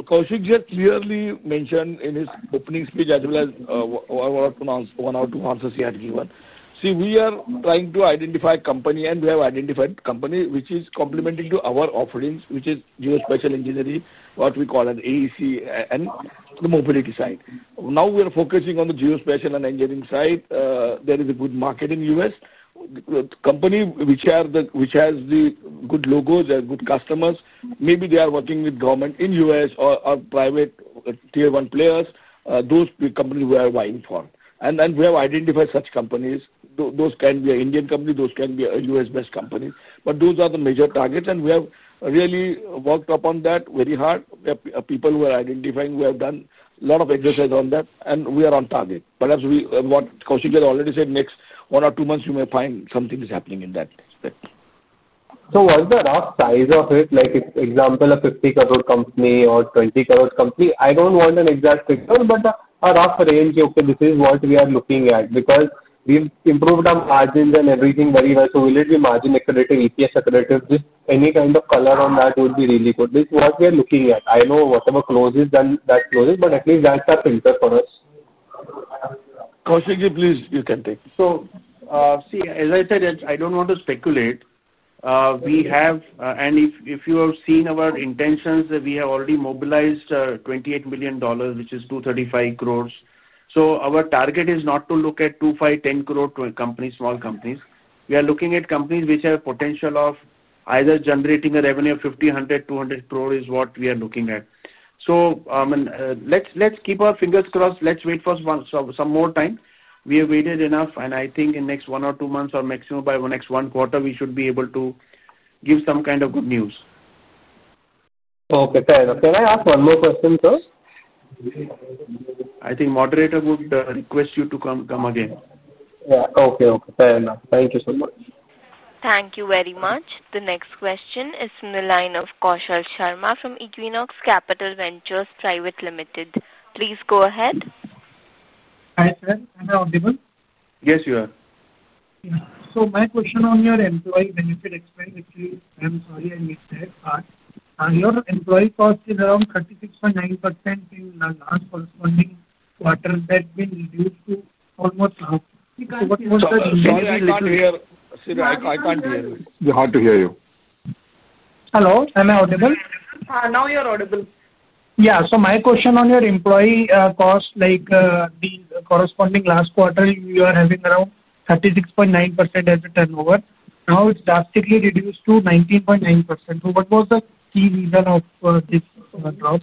Kaushik Khona clearly mentioned in his opening speech as well as one or two answers he had given. See, we are trying to identify a company, and we have identified a company which is complementing to our offerings, which is geospatial engineering, what we call an AEC, and the mobility side. Now we are focusing on the geospatial and engineering side. There is a good market in the US. Company which has the good logos and good customers, maybe they are working with government in the US or private tier one players, those companies we are buying from. And we have identified such companies. Those can be an Indian company. Those can be a US-based company. But those are the major targets, and we have really worked upon that very hard. We have people who are identifying. We have done a lot of exercise on that, and we are on target. Perhaps what Kaushik Khona already said, next one or two months, you may find something is happening in that. What's the rough size of it? Like, for example, a 50 crore company or 20 crore company? I don't want an exact figure, but a rough range, okay, this is what we are looking at because we've improved our margins and everything very well. Will it be margin accretive, EPS accretive? Just any kind of color on that would be really good. This is what we are looking at. I know whatever closes, then that closes, but at least that's a filter for us. Kaushal Sharma, please, you can take it. As I said, I don't want to speculate. If you have seen our intentions, we have already mobilized $28 million, which is 235 crore. Our target is not to look at 25-10 crore small companies. We are looking at companies which have a potential of either generating a revenue of 50, 100, 200 crore is what we are looking at. Let's keep our fingers crossed. Let's wait for some more time. We have waited enough, and I think in the next one or two months or maximum by the next one quarter, we should be able to give some kind of good news. Okay, fair enough. Can I ask one more question, sir? I think the moderator would request you to come again. Yeah. Okay, okay. Fair enough. Thank you so much. Thank you very much. The next question is from the line of Kaushal Sharma from Equinox Capital Ventures Private Limited. Please go ahead. Hi sir. Am I audible? Yes, you are. My question on your employee benefit expense, actually, I'm sorry I missed that part. Your employee cost is around 36.9% in the last corresponding quarter. That has been reduced to almost half. See, Kaushal, I can't hear you. You can't hear me. We are hard to hear you. Hello. Am I audible? Now you're audible. Yeah. So my question on your employee cost, like the corresponding last quarter, you are having around 36.9% as a turnover. Now it's drastically reduced to 19.9%. What was the key reason of this drop?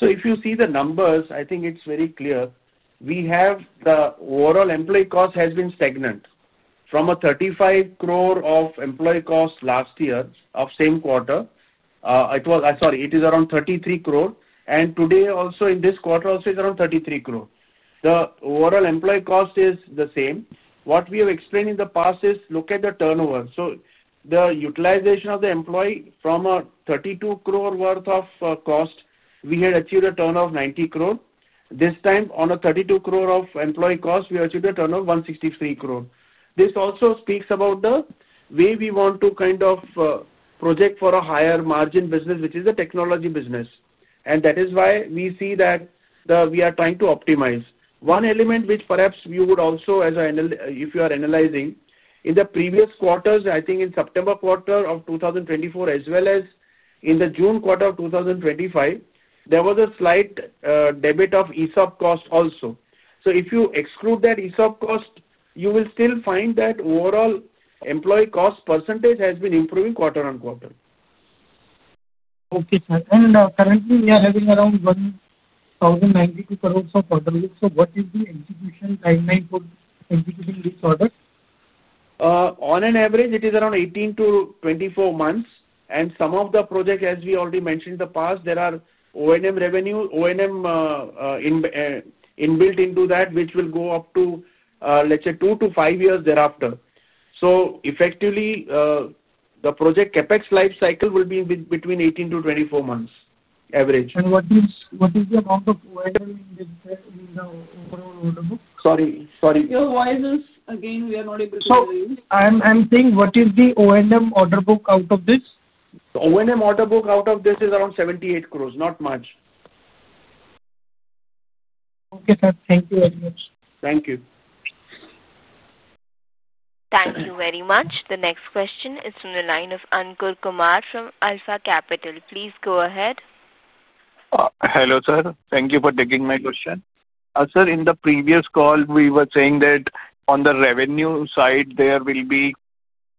If you see the numbers, I think it is very clear. The overall employee cost has been stagnant from 35 crore of employee cost last year of same quarter. Sorry, it is around 33 crore. Today also in this quarter also is around 33 crore. The overall employee cost is the same. What we have explained in the past is look at the turnover. The utilization of the employee from a 32 crore worth of cost, we had achieved a turnover of 90 crore. This time, on a 32 crore of employee cost, we achieved a turnover of 163 crore. This also speaks about the way we want to kind of project for a higher margin business, which is the technology business. That is why we see that we are trying to optimize. One element which perhaps you would also, if you are analyzing, in the previous quarters, I think in September quarter of 2024, as well as in the June quarter of 2025, there was a slight debit of ESOP cost also. If you exclude that ESOP cost, you will still find that overall employee cost % has been improving quarter on quarter. Okay, sir. Currently, we are having around 1,092 crore of orders. What is the execution timeline for executing these orders? On an average, it is around 18-24 months. Some of the projects, as we already mentioned in the past, there are O&M revenue, O&M inbuilt into that, which will go up to, let's say, two to five years thereafter. Effectively, the project CapEx lifecycle will be between 18-24 months average. What is the amount of O&M in the overall order book? Sorry, sorry. Your voice is again, we are not able to hear you. I'm saying, what is the O&M order book out of this? The O&M order book out of this is around 78 crore, not much. Okay, sir. Thank you very much. Thank you. Thank you very much. The next question is from the line of Ankur Kumar from Alpha Capital. Please go ahead. Hello, sir. Thank you for taking my question. Sir, in the previous call, we were saying that on the revenue side, there will be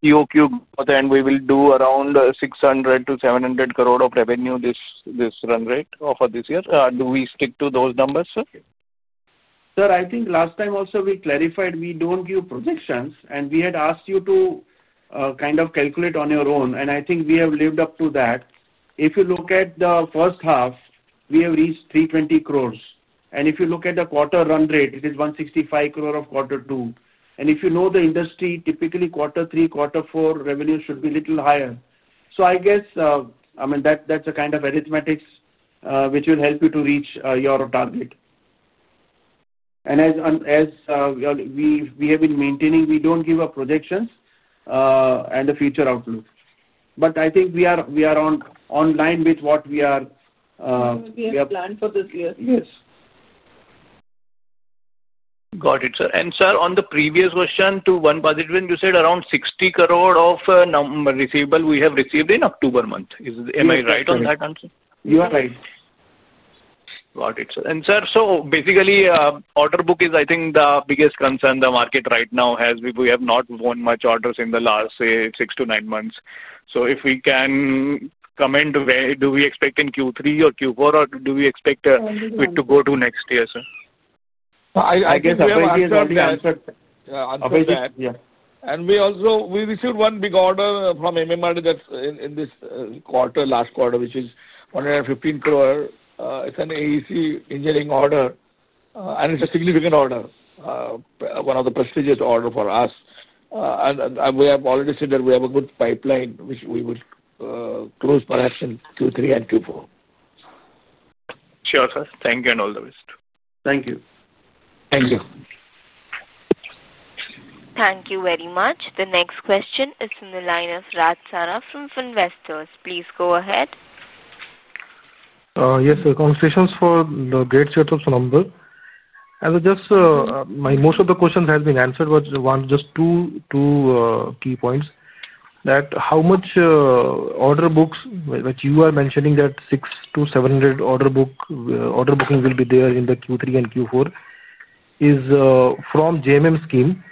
COQ, and we will do around 600 crore-700 crore of revenue, this run rate for this year. Do we stick to those numbers, sir? Sir, I think last time also we clarified we do not give projections, and we had asked you to kind of calculate on your own. I think we have lived up to that. If you look at the first half, we have reached 320 crore. If you look at the quarter run rate, it is 165 crore of quarter two. If you know the industry, typically quarter three, quarter four revenues should be a little higher. I guess, I mean, that is a kind of arithmetic which will help you to reach your target. As we have been maintaining, we do not give projections and the future outlook. I think we are on line with what we are. We have planned for this year. Yes. Got it, sir. And sir, on the previous question to one budget win, you said around 60 crore of receivable we have received in October month. Am I right on that answer? You are right. Got it, sir. And sir, so basically, order book is, I think, the biggest concern the market right now has if we have not won much orders in the last, say, six to nine months. If we can comment, do we expect in Q3 or Q4, or do we expect it to go to next year, sir? I guess Abhay Ji has already answered. We also received one big order from MMRDA this quarter, last quarter, which is 115 crore. It is an AEC engineering order. It is a significant order, one of the prestigious orders for us. We have already said that we have a good pipeline, which we will close perhaps in Q3 and Q4. Sure, sir. Thank you and all the best. Thank you. Thank you. Thank you very much. The next question is from the line of Raj Sara from Finvestors. Please go ahead. Yes, sir. Congratulations for the great share of Sonambar. Most of the questions have been answered, but just two key points. How much order book, which you are mentioning that 600-700 order booking will be there in Q3 and Q4, is from JJM scheme?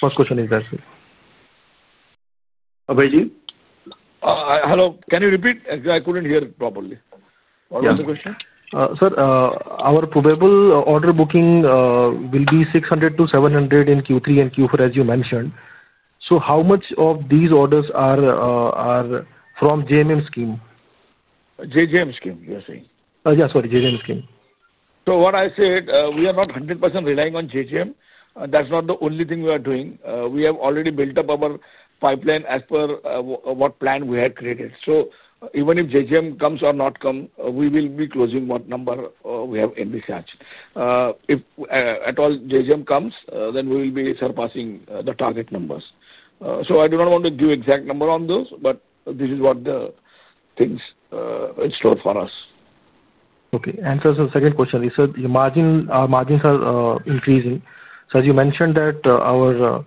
First question is that, sir. Abhay Ji? Hello. Can you repeat? I couldn't hear properly. What was the question? Sir, our probable order booking will be 600 crore-700 crore in Q3 and Q4, as you mentioned. How much of these orders are from JJM scheme? Mission scheme, you are saying? Yeah, sorry. JJM scheme. What I said, we are not 100% relying on JJM. That's not the only thing we are doing. We have already built up our pipeline as per what plan we had created. Even if JJM comes or does not come, we will be closing what number we have in this charge. If at all JJM comes, then we will be surpassing the target numbers. I do not want to give exact number on those, but this is what the things in store for us. Okay. Sir, second question, sir, our margins are increasing. Sir, you mentioned that our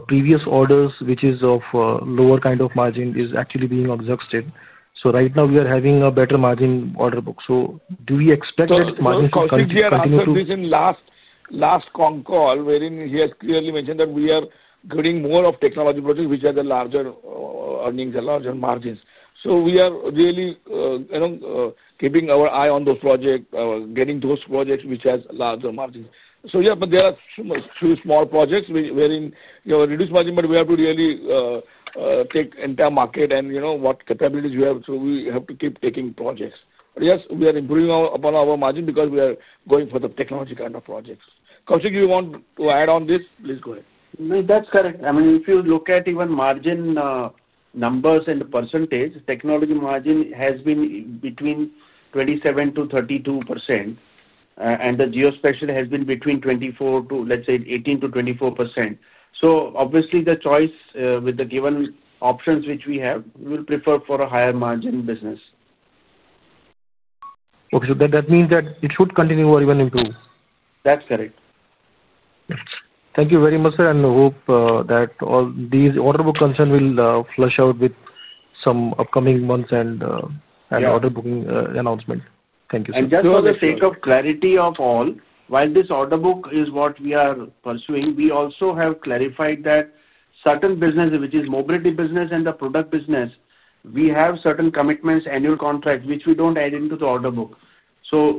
previous orders, which is of lower kind of margin, is actually being absorbed. Right now, we are having a better margin order book. Do we expect that margin to continue? Yeah, I was just repeating last con call, wherein he has clearly mentioned that we are getting more of technology projects, which are the larger earnings and larger margins. We are really keeping our eye on those projects, getting those projects which have larger margins. Yeah, there are a few small projects wherein you have a reduced margin, but we have to really take the entire market and what capabilities we have. We have to keep taking projects. Yes, we are improving upon our margin because we are going for the technology kind of projects. Kaushik, do you want to add on this? Please go ahead. That's correct. I mean, if you look at even margin numbers and percentage, technology margin has been between 27%-32%. And the geospatial has been between 18-24%. Obviously, the choice with the given options which we have, we will prefer for a higher margin business. Okay. So that means that it should continue or even improve? That's correct. Thank you very much, sir. I hope that all these order book concerns will flush out with some upcoming months and order booking announcement. Thank you, sir. Just for the sake of clarity of all, while this order book is what we are pursuing, we also have clarified that certain business, which is mobility business and the product business, we have certain commitments, annual contracts, which we do not add into the order book.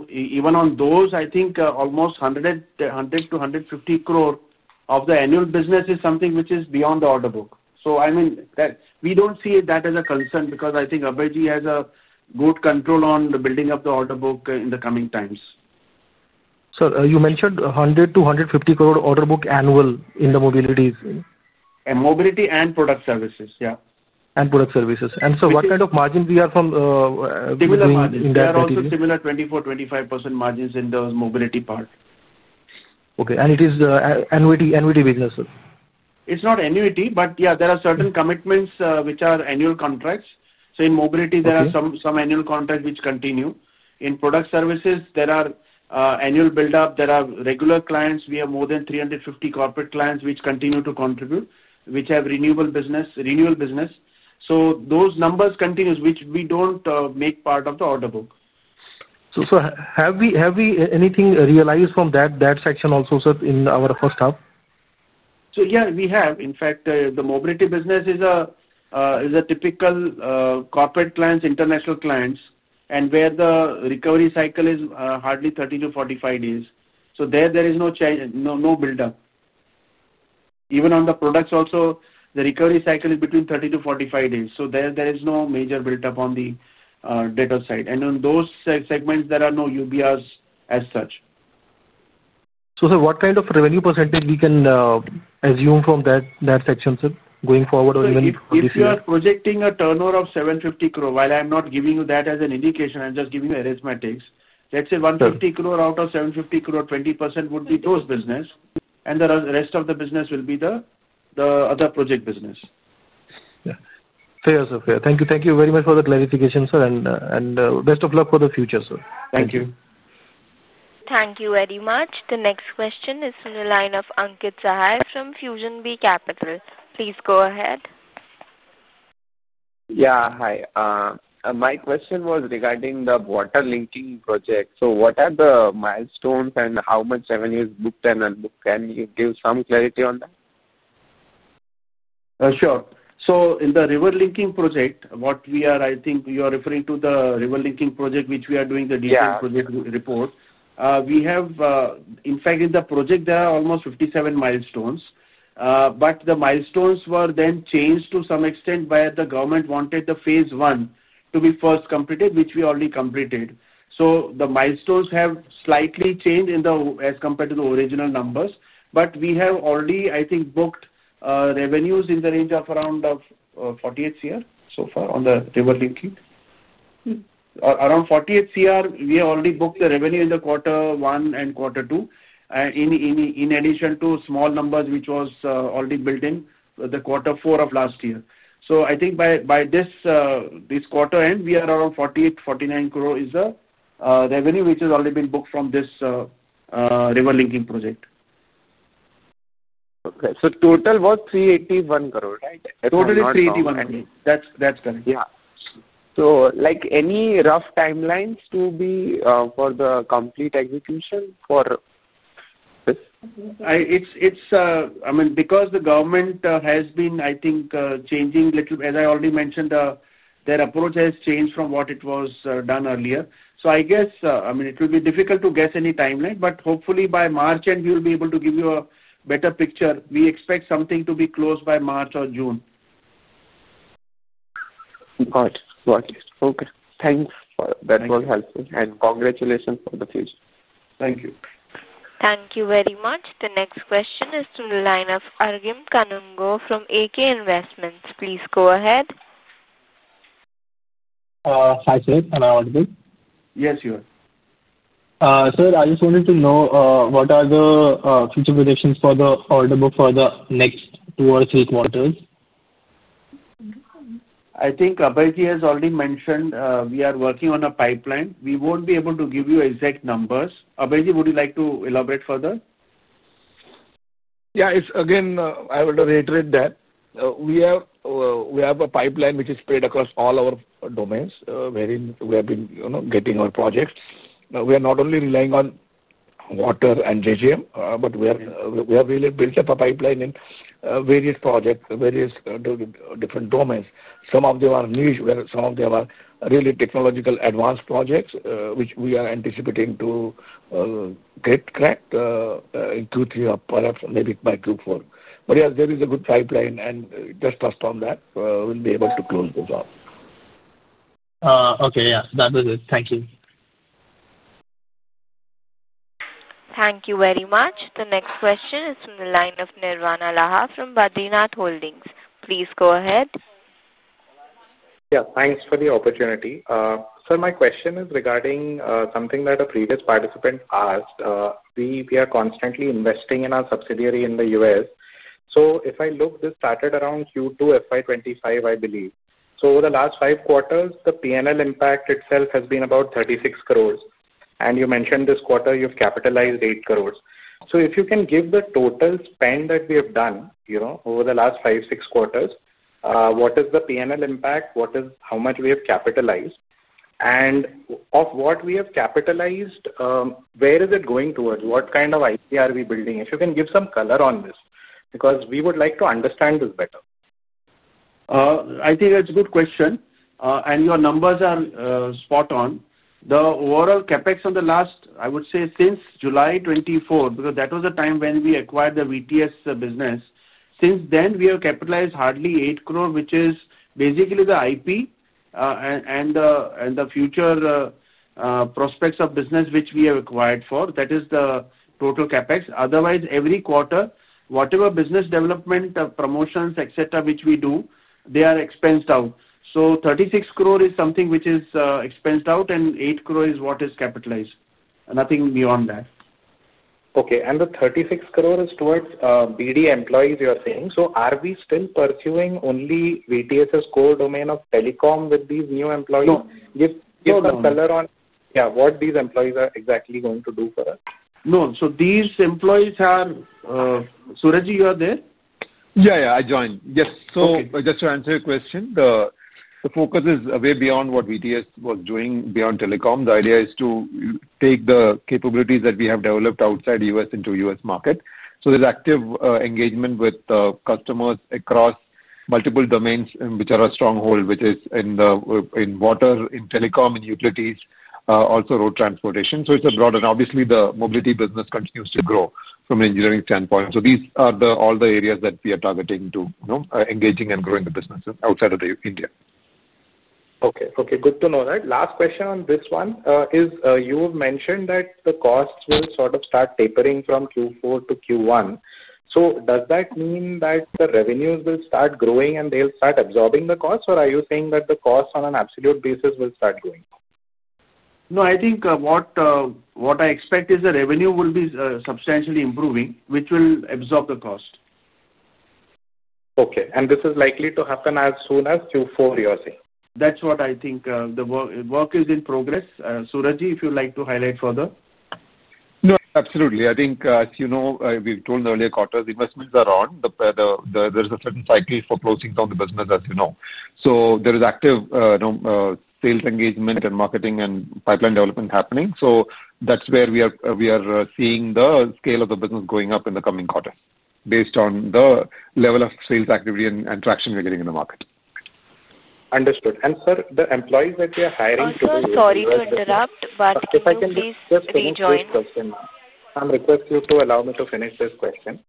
Even on those, I think almost 100 crore-150 crore of the annual business is something which is beyond the order book. I mean, we do not see that as a concern because I think Abhay Ji has a good control on the building of the order book in the coming times. Sir, you mentioned 100 crore-150 crore order book annual in the mobilities. Mobility and product services, yeah. Product services. Sir, what kind of margin are we from? Similar margins. There are also similar 24%-25% margins in those mobility part. Okay. And it is annuity business, sir? It's not annuity, but yeah, there are certain commitments which are annual contracts. In mobility, there are some annual contracts which continue. In product services, there are annual build-up. There are regular clients. We have more than 350 corporate clients which continue to contribute, which have renewal business. Those numbers continue, which we don't make part of the order book. Sir, have we anything realized from that section also, sir, in our first half? Yeah, we have. In fact, the mobility business is a typical corporate clients, international clients, and where the recovery cycle is hardly 30-45 days. There is no build-up. Even on the products also, the recovery cycle is between 30-45 days. There is no major build-up on the data side. On those segments, there are no UBRs as such. What kind of revenue percentage can we assume from that section, sir, going forward or even this year? If you are projecting a turnover of 750 crore, while I am not giving you that as an indication, I'm just giving you arithmetics, let's say 150 crore out of 750 crore, 20% would be those business. The rest of the business will be the other project business. Fair, sir. Fair. Thank you. Thank you very much for the clarification, sir. Best of luck for the future, sir. Thank you. Thank you very much. The next question is from the line of Ankit Sahaj from FusionB Capital. Please go ahead. Yeah, hi. My question was regarding the water linking project. What are the milestones and how much revenue is booked and unbooked? Can you give some clarity on that? Sure. In the river linking project, what we are, I think you are referring to the river linking project, which we are doing the detailed project report. In fact, in the project, there are almost 57 milestones. The milestones were then changed to some extent where the government wanted the phase one to be first completed, which we already completed. The milestones have slightly changed as compared to the original numbers. We have already, I think, booked revenues in the range of around 48 crore so far on the river linking. Around 48 crore, we have already booked the revenue in quarter one and quarter two, in addition to small numbers which were already billed in quarter four of last year. I think by this quarter end, we are around 48-49 crore is the revenue which has already been booked from this river linking project. Okay. So total was 381 crore, right? Totally 381 crore. That's correct. Yeah. So any rough timelines to be for the complete execution for this? I mean, because the government has been, I think, changing a little, as I already mentioned, their approach has changed from what it was done earlier. I guess, I mean, it will be difficult to guess any timeline, but hopefully by March end, we will be able to give you a better picture. We expect something to be closed by March or June. All right. Okay. Thanks. That was helpful. Congratulations for the future. Thank you. Thank you very much. The next question is from the line of Arvim Kanungo from AK Investments. Please go ahead. Hi, sir. Can I add to this? Yes, you are. Sir, I just wanted to know what are the future projections for the order book for the next two or three quarters? I think Abhay Ji has already mentioned we are working on a pipeline. We won't be able to give you exact numbers. Abhay Ji, would you like to elaborate further? Yeah. Again, I will reiterate that. We have a pipeline which is spread across all our domains wherein we have been getting our projects. We are not only relying on water and JJM, but we have really built up a pipeline in various projects, various different domains. Some of them are niche, where some of them are really technologically advanced projects, which we are anticipating to get cracked in Q3 or perhaps maybe by Q4. Yes, there is a good pipeline, and just trust on that, we'll be able to close those out. Okay. Yeah. That was it. Thank you. Thank you very much. The next question is from the line of Nirvana Laha from Badrinath Holdings. Please go ahead. Yeah. Thanks for the opportunity. Sir, my question is regarding something that a previous participant asked. We are constantly investing in our subsidiary in the US. If I look, this started around Q2 FY2025, I believe. Over the last five quarters, the P&L impact itself has been about 36 crore. You mentioned this quarter, you've capitalized 8 crore. If you can give the total spend that we have done over the last five-six quarters, what is the P&L impact, how much we have capitalized, and of what we have capitalized, where is it going towards? What kind of IP are we building? If you can give some color on this, because we would like to understand this better. I think that's a good question. Your numbers are spot on. The overall CapEx on the last, I would say, since July 2024, because that was the time when we acquired the VTS business, since then, we have capitalized hardly 8 crore, which is basically the IP and the future prospects of business which we have acquired for. That is the total CapEx. Otherwise, every quarter, whatever business development, promotions, etc., which we do, they are expensed out. 36 crore is something which is expensed out, and 8 crore is what is capitalized. Nothing beyond that. Okay. The 36 crore is towards BD employees, you are saying. Are we still pursuing only VTS's core domain of telecom with these new employees? No. Give some color on, yeah, what these employees are exactly going to do for us. No. So these employees are. Surej, you are there? Yeah, yeah. I joined. Yes. Just to answer your question, the focus is way beyond what VTS was doing beyond telecom. The idea is to take the capabilities that we have developed outside the US into the US market. There is active engagement with customers across multiple domains which are a stronghold, which is in water, in telecom, in utilities, also road transportation. It is broader. Obviously, the mobility business continues to grow from an engineering standpoint. These are all the areas that we are targeting to engaging and growing the businesses outside of India. Okay. Okay. Good to know. Right? Last question on this one is you have mentioned that the costs will sort of start tapering from Q4 to Q1. Does that mean that the revenues will start growing and they'll start absorbing the costs, or are you saying that the costs on an absolute basis will start going up? No. I think what I expect is the revenue will be substantially improving, which will absorb the cost. Okay. This is likely to happen as soon as Q4, you are saying? That's what I think. The work is in progress. Surej, if you'd like to highlight further. No. Absolutely. I think, as you know, we've told in the earlier quarters, investments are on. There is a certain cycle for closing down the business, as you know. So there is active sales engagement and marketing and pipeline development happening. That is where we are seeing the scale of the business going up in the coming quarters based on the level of sales activity and traction we're getting in the market. Understood. Sir, the employees that we are hiring to. Sir, sorry to interrupt, but please rejoin. Just a quick question. I'll request you to allow me to finish this question.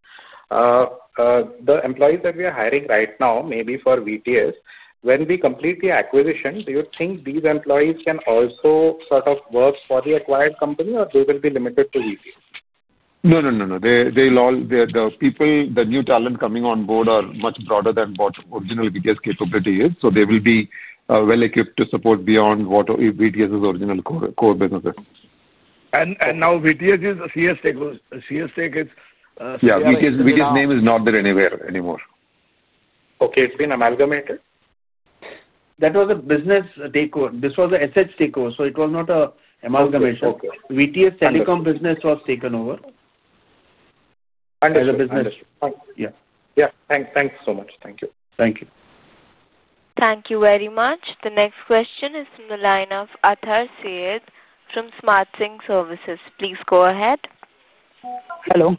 The employees that we are hiring right now, maybe for VTS, when we complete the acquisition, do you think these employees can also sort of work for the acquired company, or they will be limited to VTS? No, no. The new talent coming on board are much broader than what original VTS capability is. So they will be well equipped to support beyond what VTS's original core business is. Now VTS is a Ceinsys Tech, it's. Yeah. VTS name is not there anywhere anymore. Okay. It's been amalgamated? That was a business takeover. This was an SH takeover. It was not an amalgamation. VTS telecom business was taken over. Understood. As a business. Yeah. Yeah. Thanks so much. Thank you. Thank you. Thank you very much. The next question is from the line of [Athar Sehad] from SmartSync Services. Please go ahead. Hello.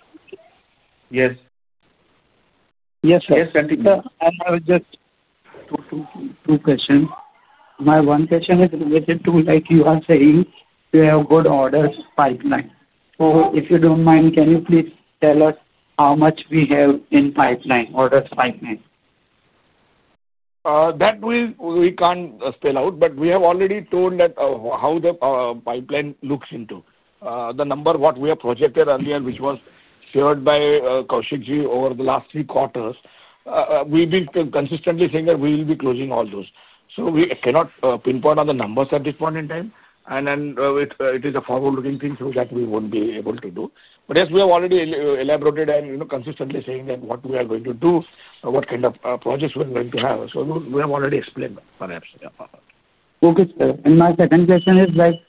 Yes. Yes, sir. I have just two questions. My one question is related to, like you are saying, you have good orders pipeline. If you do not mind, can you please tell us how much we have in pipeline, orders pipeline? That we cannot spell out, but we have already told how the pipeline looks into. The number, what we have projected earlier, which was shared by Kaushik Ji over the last three quarters, we have been consistently saying that we will be closing all those. We cannot pinpoint on the numbers at this point in time. It is a forward-looking thing that we will not be able to do. Yes, we have already elaborated and consistently said what we are going to do, what kind of projects we are going to have. We have already explained that, perhaps. Okay, sir. And my second question is like.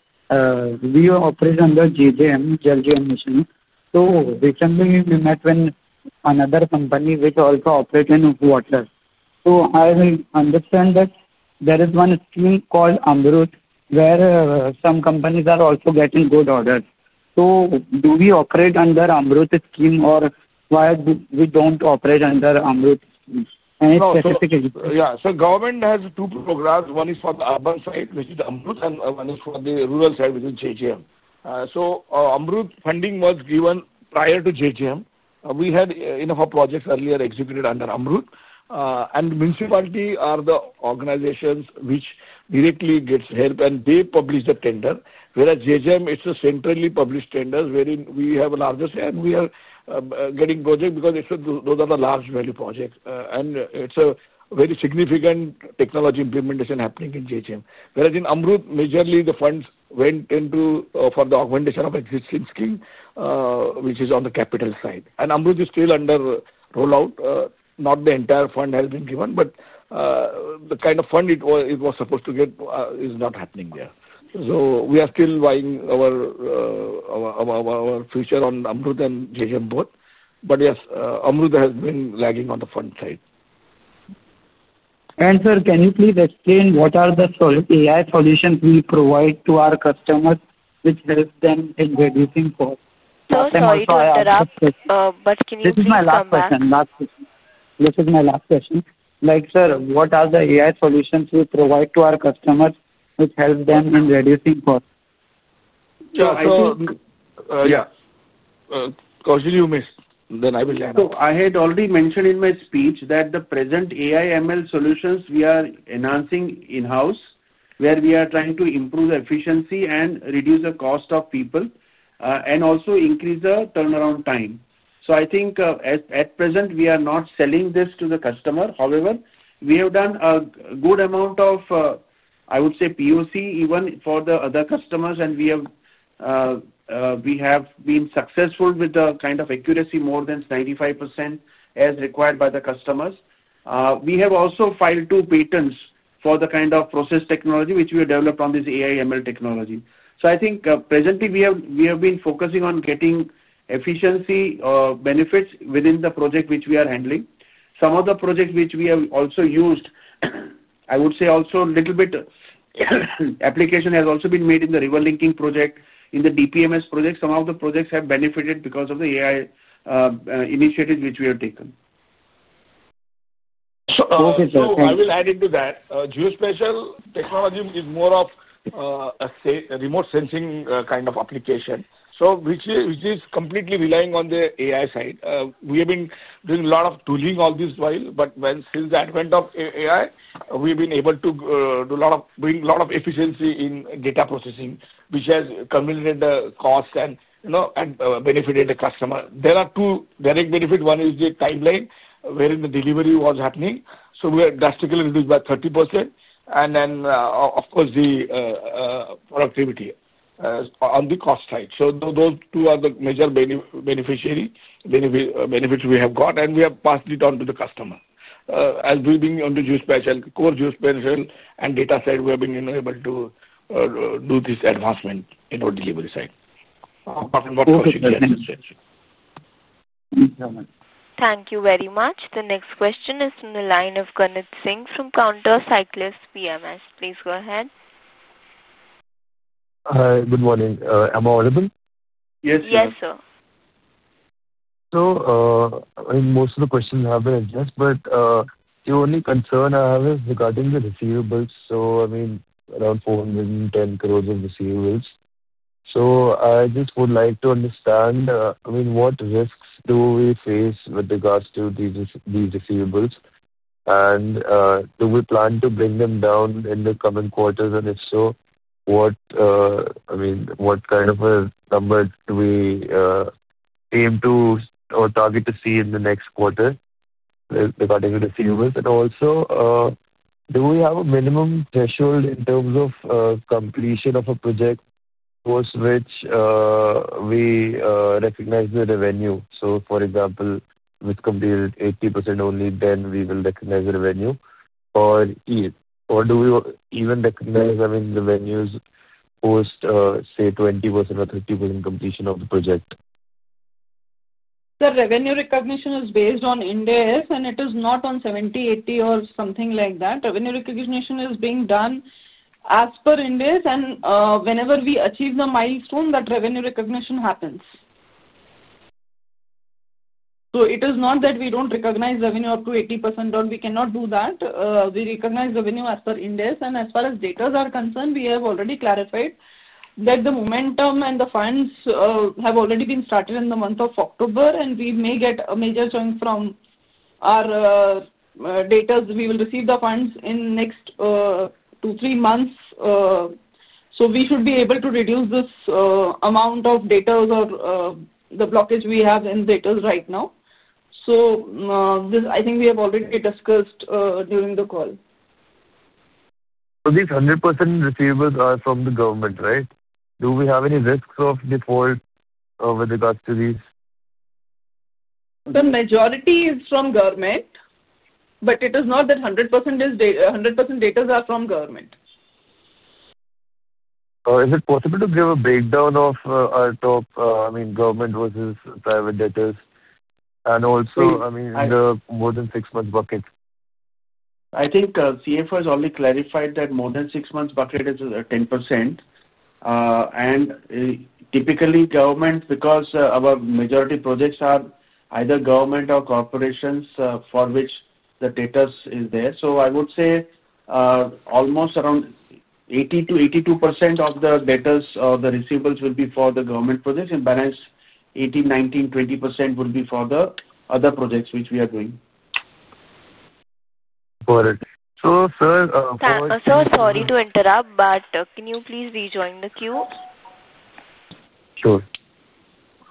We operate under JJM, JJ Mission. Recently, we met with another company which also operates in water. I understand that there is one scheme called Amrut where some companies are also getting good orders. Do we operate under Amrut scheme or why we do not operate under Amrut scheme? Any specific? Yeah. Government has two programs. One is for the urban side, which is Amrut, and one is for the rural side, which is JJM. Amrut funding was given prior to JJM. We had enough projects earlier executed under Amrut. Municipality are the organizations which directly get help, and they publish the tender. Whereas JJM, it's a centrally published tender wherein we have a larger share and we are getting projects because those are the large value projects. It's a very significant technology implementation happening in JJM. Whereas in Amrut, majorly the funds went into for the augmentation of existing scheme, which is on the capital side. Amrut is still under rollout. Not the entire fund has been given, but the kind of fund it was supposed to get is not happening there. We are still buying our future on Amrut and JJM both. Yes, Amrut has been lagging on the fund side. Sir, can you please explain what are the AI solutions we provide to our customers which help them in reducing costs? Sorry, I interrupt. Can you please? This is my last question. Like, sir, what are the AI solutions we provide to our customers which help them in reducing costs? Yeah. Kaushik, you may. Then I will. I had already mentioned in my speech that the present AI/ML solutions we are enhancing in-house, where we are trying to improve the efficiency and reduce the cost of people. Also, increase the turnaround time. I think at present, we are not selling this to the customer. However, we have done a good amount of, I would say, POC even for the other customers, and we have been successful with the kind of accuracy more than 95% as required by the customers. We have also filed two patents for the kind of process technology which we have developed on this AI/ML technology. I think presently, we have been focusing on getting efficiency benefits within the project which we are handling. Some of the projects which we have also used, I would say, also a little bit. Application has also been made in the river linking project, in the DPMS project. Some of the projects have benefited because of the AI initiatives which we have taken. Okay, sir. Thank you. I will add into that. Geospatial technology is more of a remote sensing kind of application, which is completely relying on the AI side. We have been doing a lot of tooling all this while, but since the advent of AI, we have been able to do a lot of efficiency in data processing, which has convenient costs and benefited the customer. There are two direct benefits. One is the timeline wherein the delivery was happening. We are drastically reduced by 30%. And then, of course, the productivity on the cost side. Those two are the major beneficiary benefits we have got, and we have passed it on to the customer. As we've been on the core geospatial and data side, we have been able to do this advancement in our delivery side. Thank you very much. The next question is from the line of Gunit Singh from Countercyclist PMS. Please go ahead. Good morning. Am I audible? Yes, sir. Yes, sir. So, I mean, most of the questions have been addressed, but the only concern I have is regarding the receivables. I mean, around 410 crore of receivables. I just would like to understand, I mean, what risks do we face with regards to these receivables? Do we plan to bring them down in the coming quarters? If so, what kind of a number do we aim to or target to see in the next quarter regarding the receivables? Also, do we have a minimum threshold in terms of completion of a project for which we recognize the revenue? For example, if it is completed 80% only, then we will recognize the revenue, or do we even recognize, I mean, the revenues post, say, 20% or 30% completion of the project? The revenue recognition is based on IND AS, and it is not on 70%, 80%, or something like that. Revenue recognition is being done as per IND AS, and whenever we achieve the milestone, that revenue recognition happens. It is not that we do not recognize revenue up to 80%, or we cannot do that. We recognize revenue as per IND AS. As far as debtors are concerned, we have already clarified that the momentum and the funds have already been started in the month of October, and we may get a major chunk from our debtors. We will receive the funds in the next two or three months. We should be able to reduce this amount of debtors or the blockage we have in debtors right now. I think we have already discussed during the call. These 100% receivables are from the government, right? Do we have any risks of default with regards to these? The majority is from government. It is not that 100%. Datas are from government. Is it possible to give a breakdown of our top, I mean, government versus private datas? And also, I mean, the more-than-six-month bucket. I think CFO has already clarified that more-than-six-month bucket is 10%. Typically, government, because our majority projects are either government or corporations for which the data is there. I would say almost around 80%-82% of the data or the receivables will be for the government projects, and balance 18%, 19%, 20% would be for the other projects which we are doing. Got it. Sir. Sir, sorry to interrupt, but can you please rejoin the queue? Sure.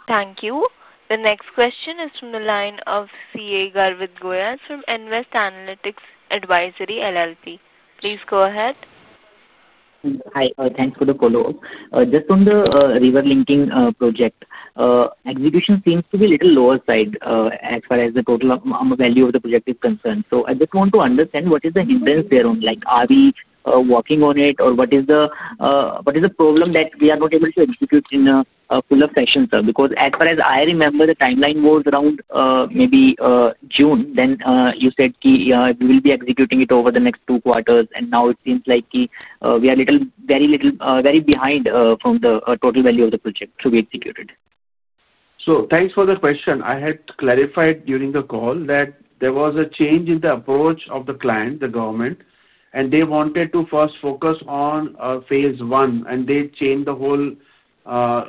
Thank you. The next question is from the line of CA Garvit Goyal from Invest Analytics Advisory LLP. Please go ahead. Hi. Thanks for the follow-up. Just on the river linking project, execution seems to be a little on the lower side as far as the total value of the project is concerned. I just want to understand what is the hindrance there. Are we working on it, or what is the problem that we are not able to execute in a full-off session, sir? Because as far as I remember, the timeline was around maybe June. You said, "Yeah, we will be executing it over the next two quarters." Now it seems like we are very behind from the total value of the project to be executed. Thanks for the question. I had clarified during the call that there was a change in the approach of the client, the government, and they wanted to first focus on phase one, and they changed the whole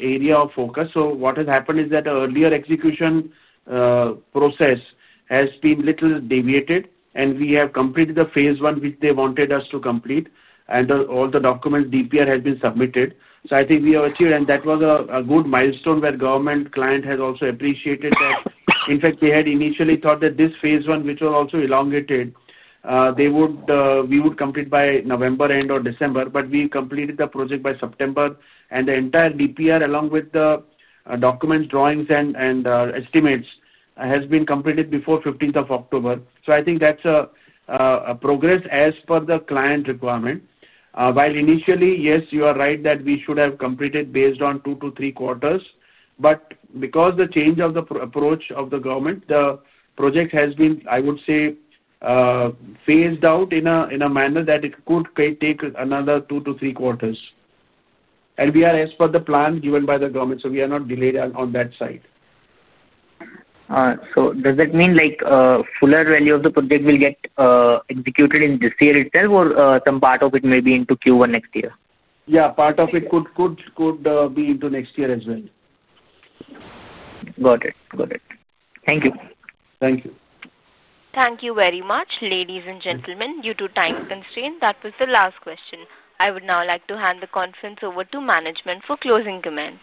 area of focus. What has happened is that earlier execution process has been a little deviated, and we have completed the phase one which they wanted us to complete. All the documents, DPR, have been submitted. I think we have achieved, and that was a good milestone where government client has also appreciated that. In fact, we had initially thought that this phase one, which was also elongated, we would complete by November end or December, but we completed the project by September. The entire DPR, along with the documents, drawings, and estimates, has been completed before 15th of October. I think that's a progress as per the client requirement. While initially, yes, you are right that we should have completed based on two to three quarters. Because of the change of the approach of the government, the project has been, I would say, phased out in a manner that it could take another two to three quarters. We are as per the plan given by the government. We are not delayed on that side. All right. Does that mean fuller value of the project will get executed in this year itself, or some part of it may be into Q1 next year? Yeah. Part of it could be into next year as well. Got it. Got it. Thank you. Thank you. Thank you very much, ladies and gentlemen. Due to time constraint, that was the last question. I would now like to hand the conference over to management for closing comments.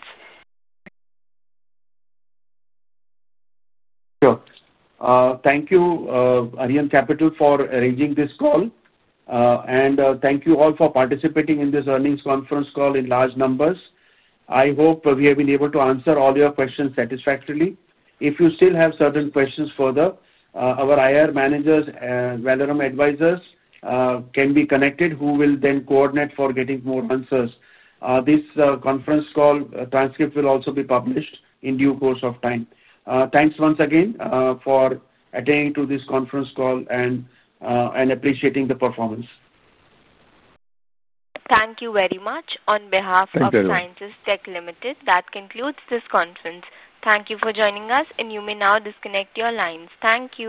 Sure. Thank you, Arihant Capital, for arranging this call. Thank you all for participating in this earnings conference call in large numbers. I hope we have been able to answer all your questions satisfactorily. If you still have certain questions further, our IR managers and Velleram advisors can be connected, who will then coordinate for getting more answers. This conference call transcript will also be published in due course of time. Thanks once again for attending this conference call and appreciating the performance. Thank you very much. On behalf of Ceinsys Tech Limited, that concludes this conference. Thank you for joining us, and you may now disconnect your lines. Thank you.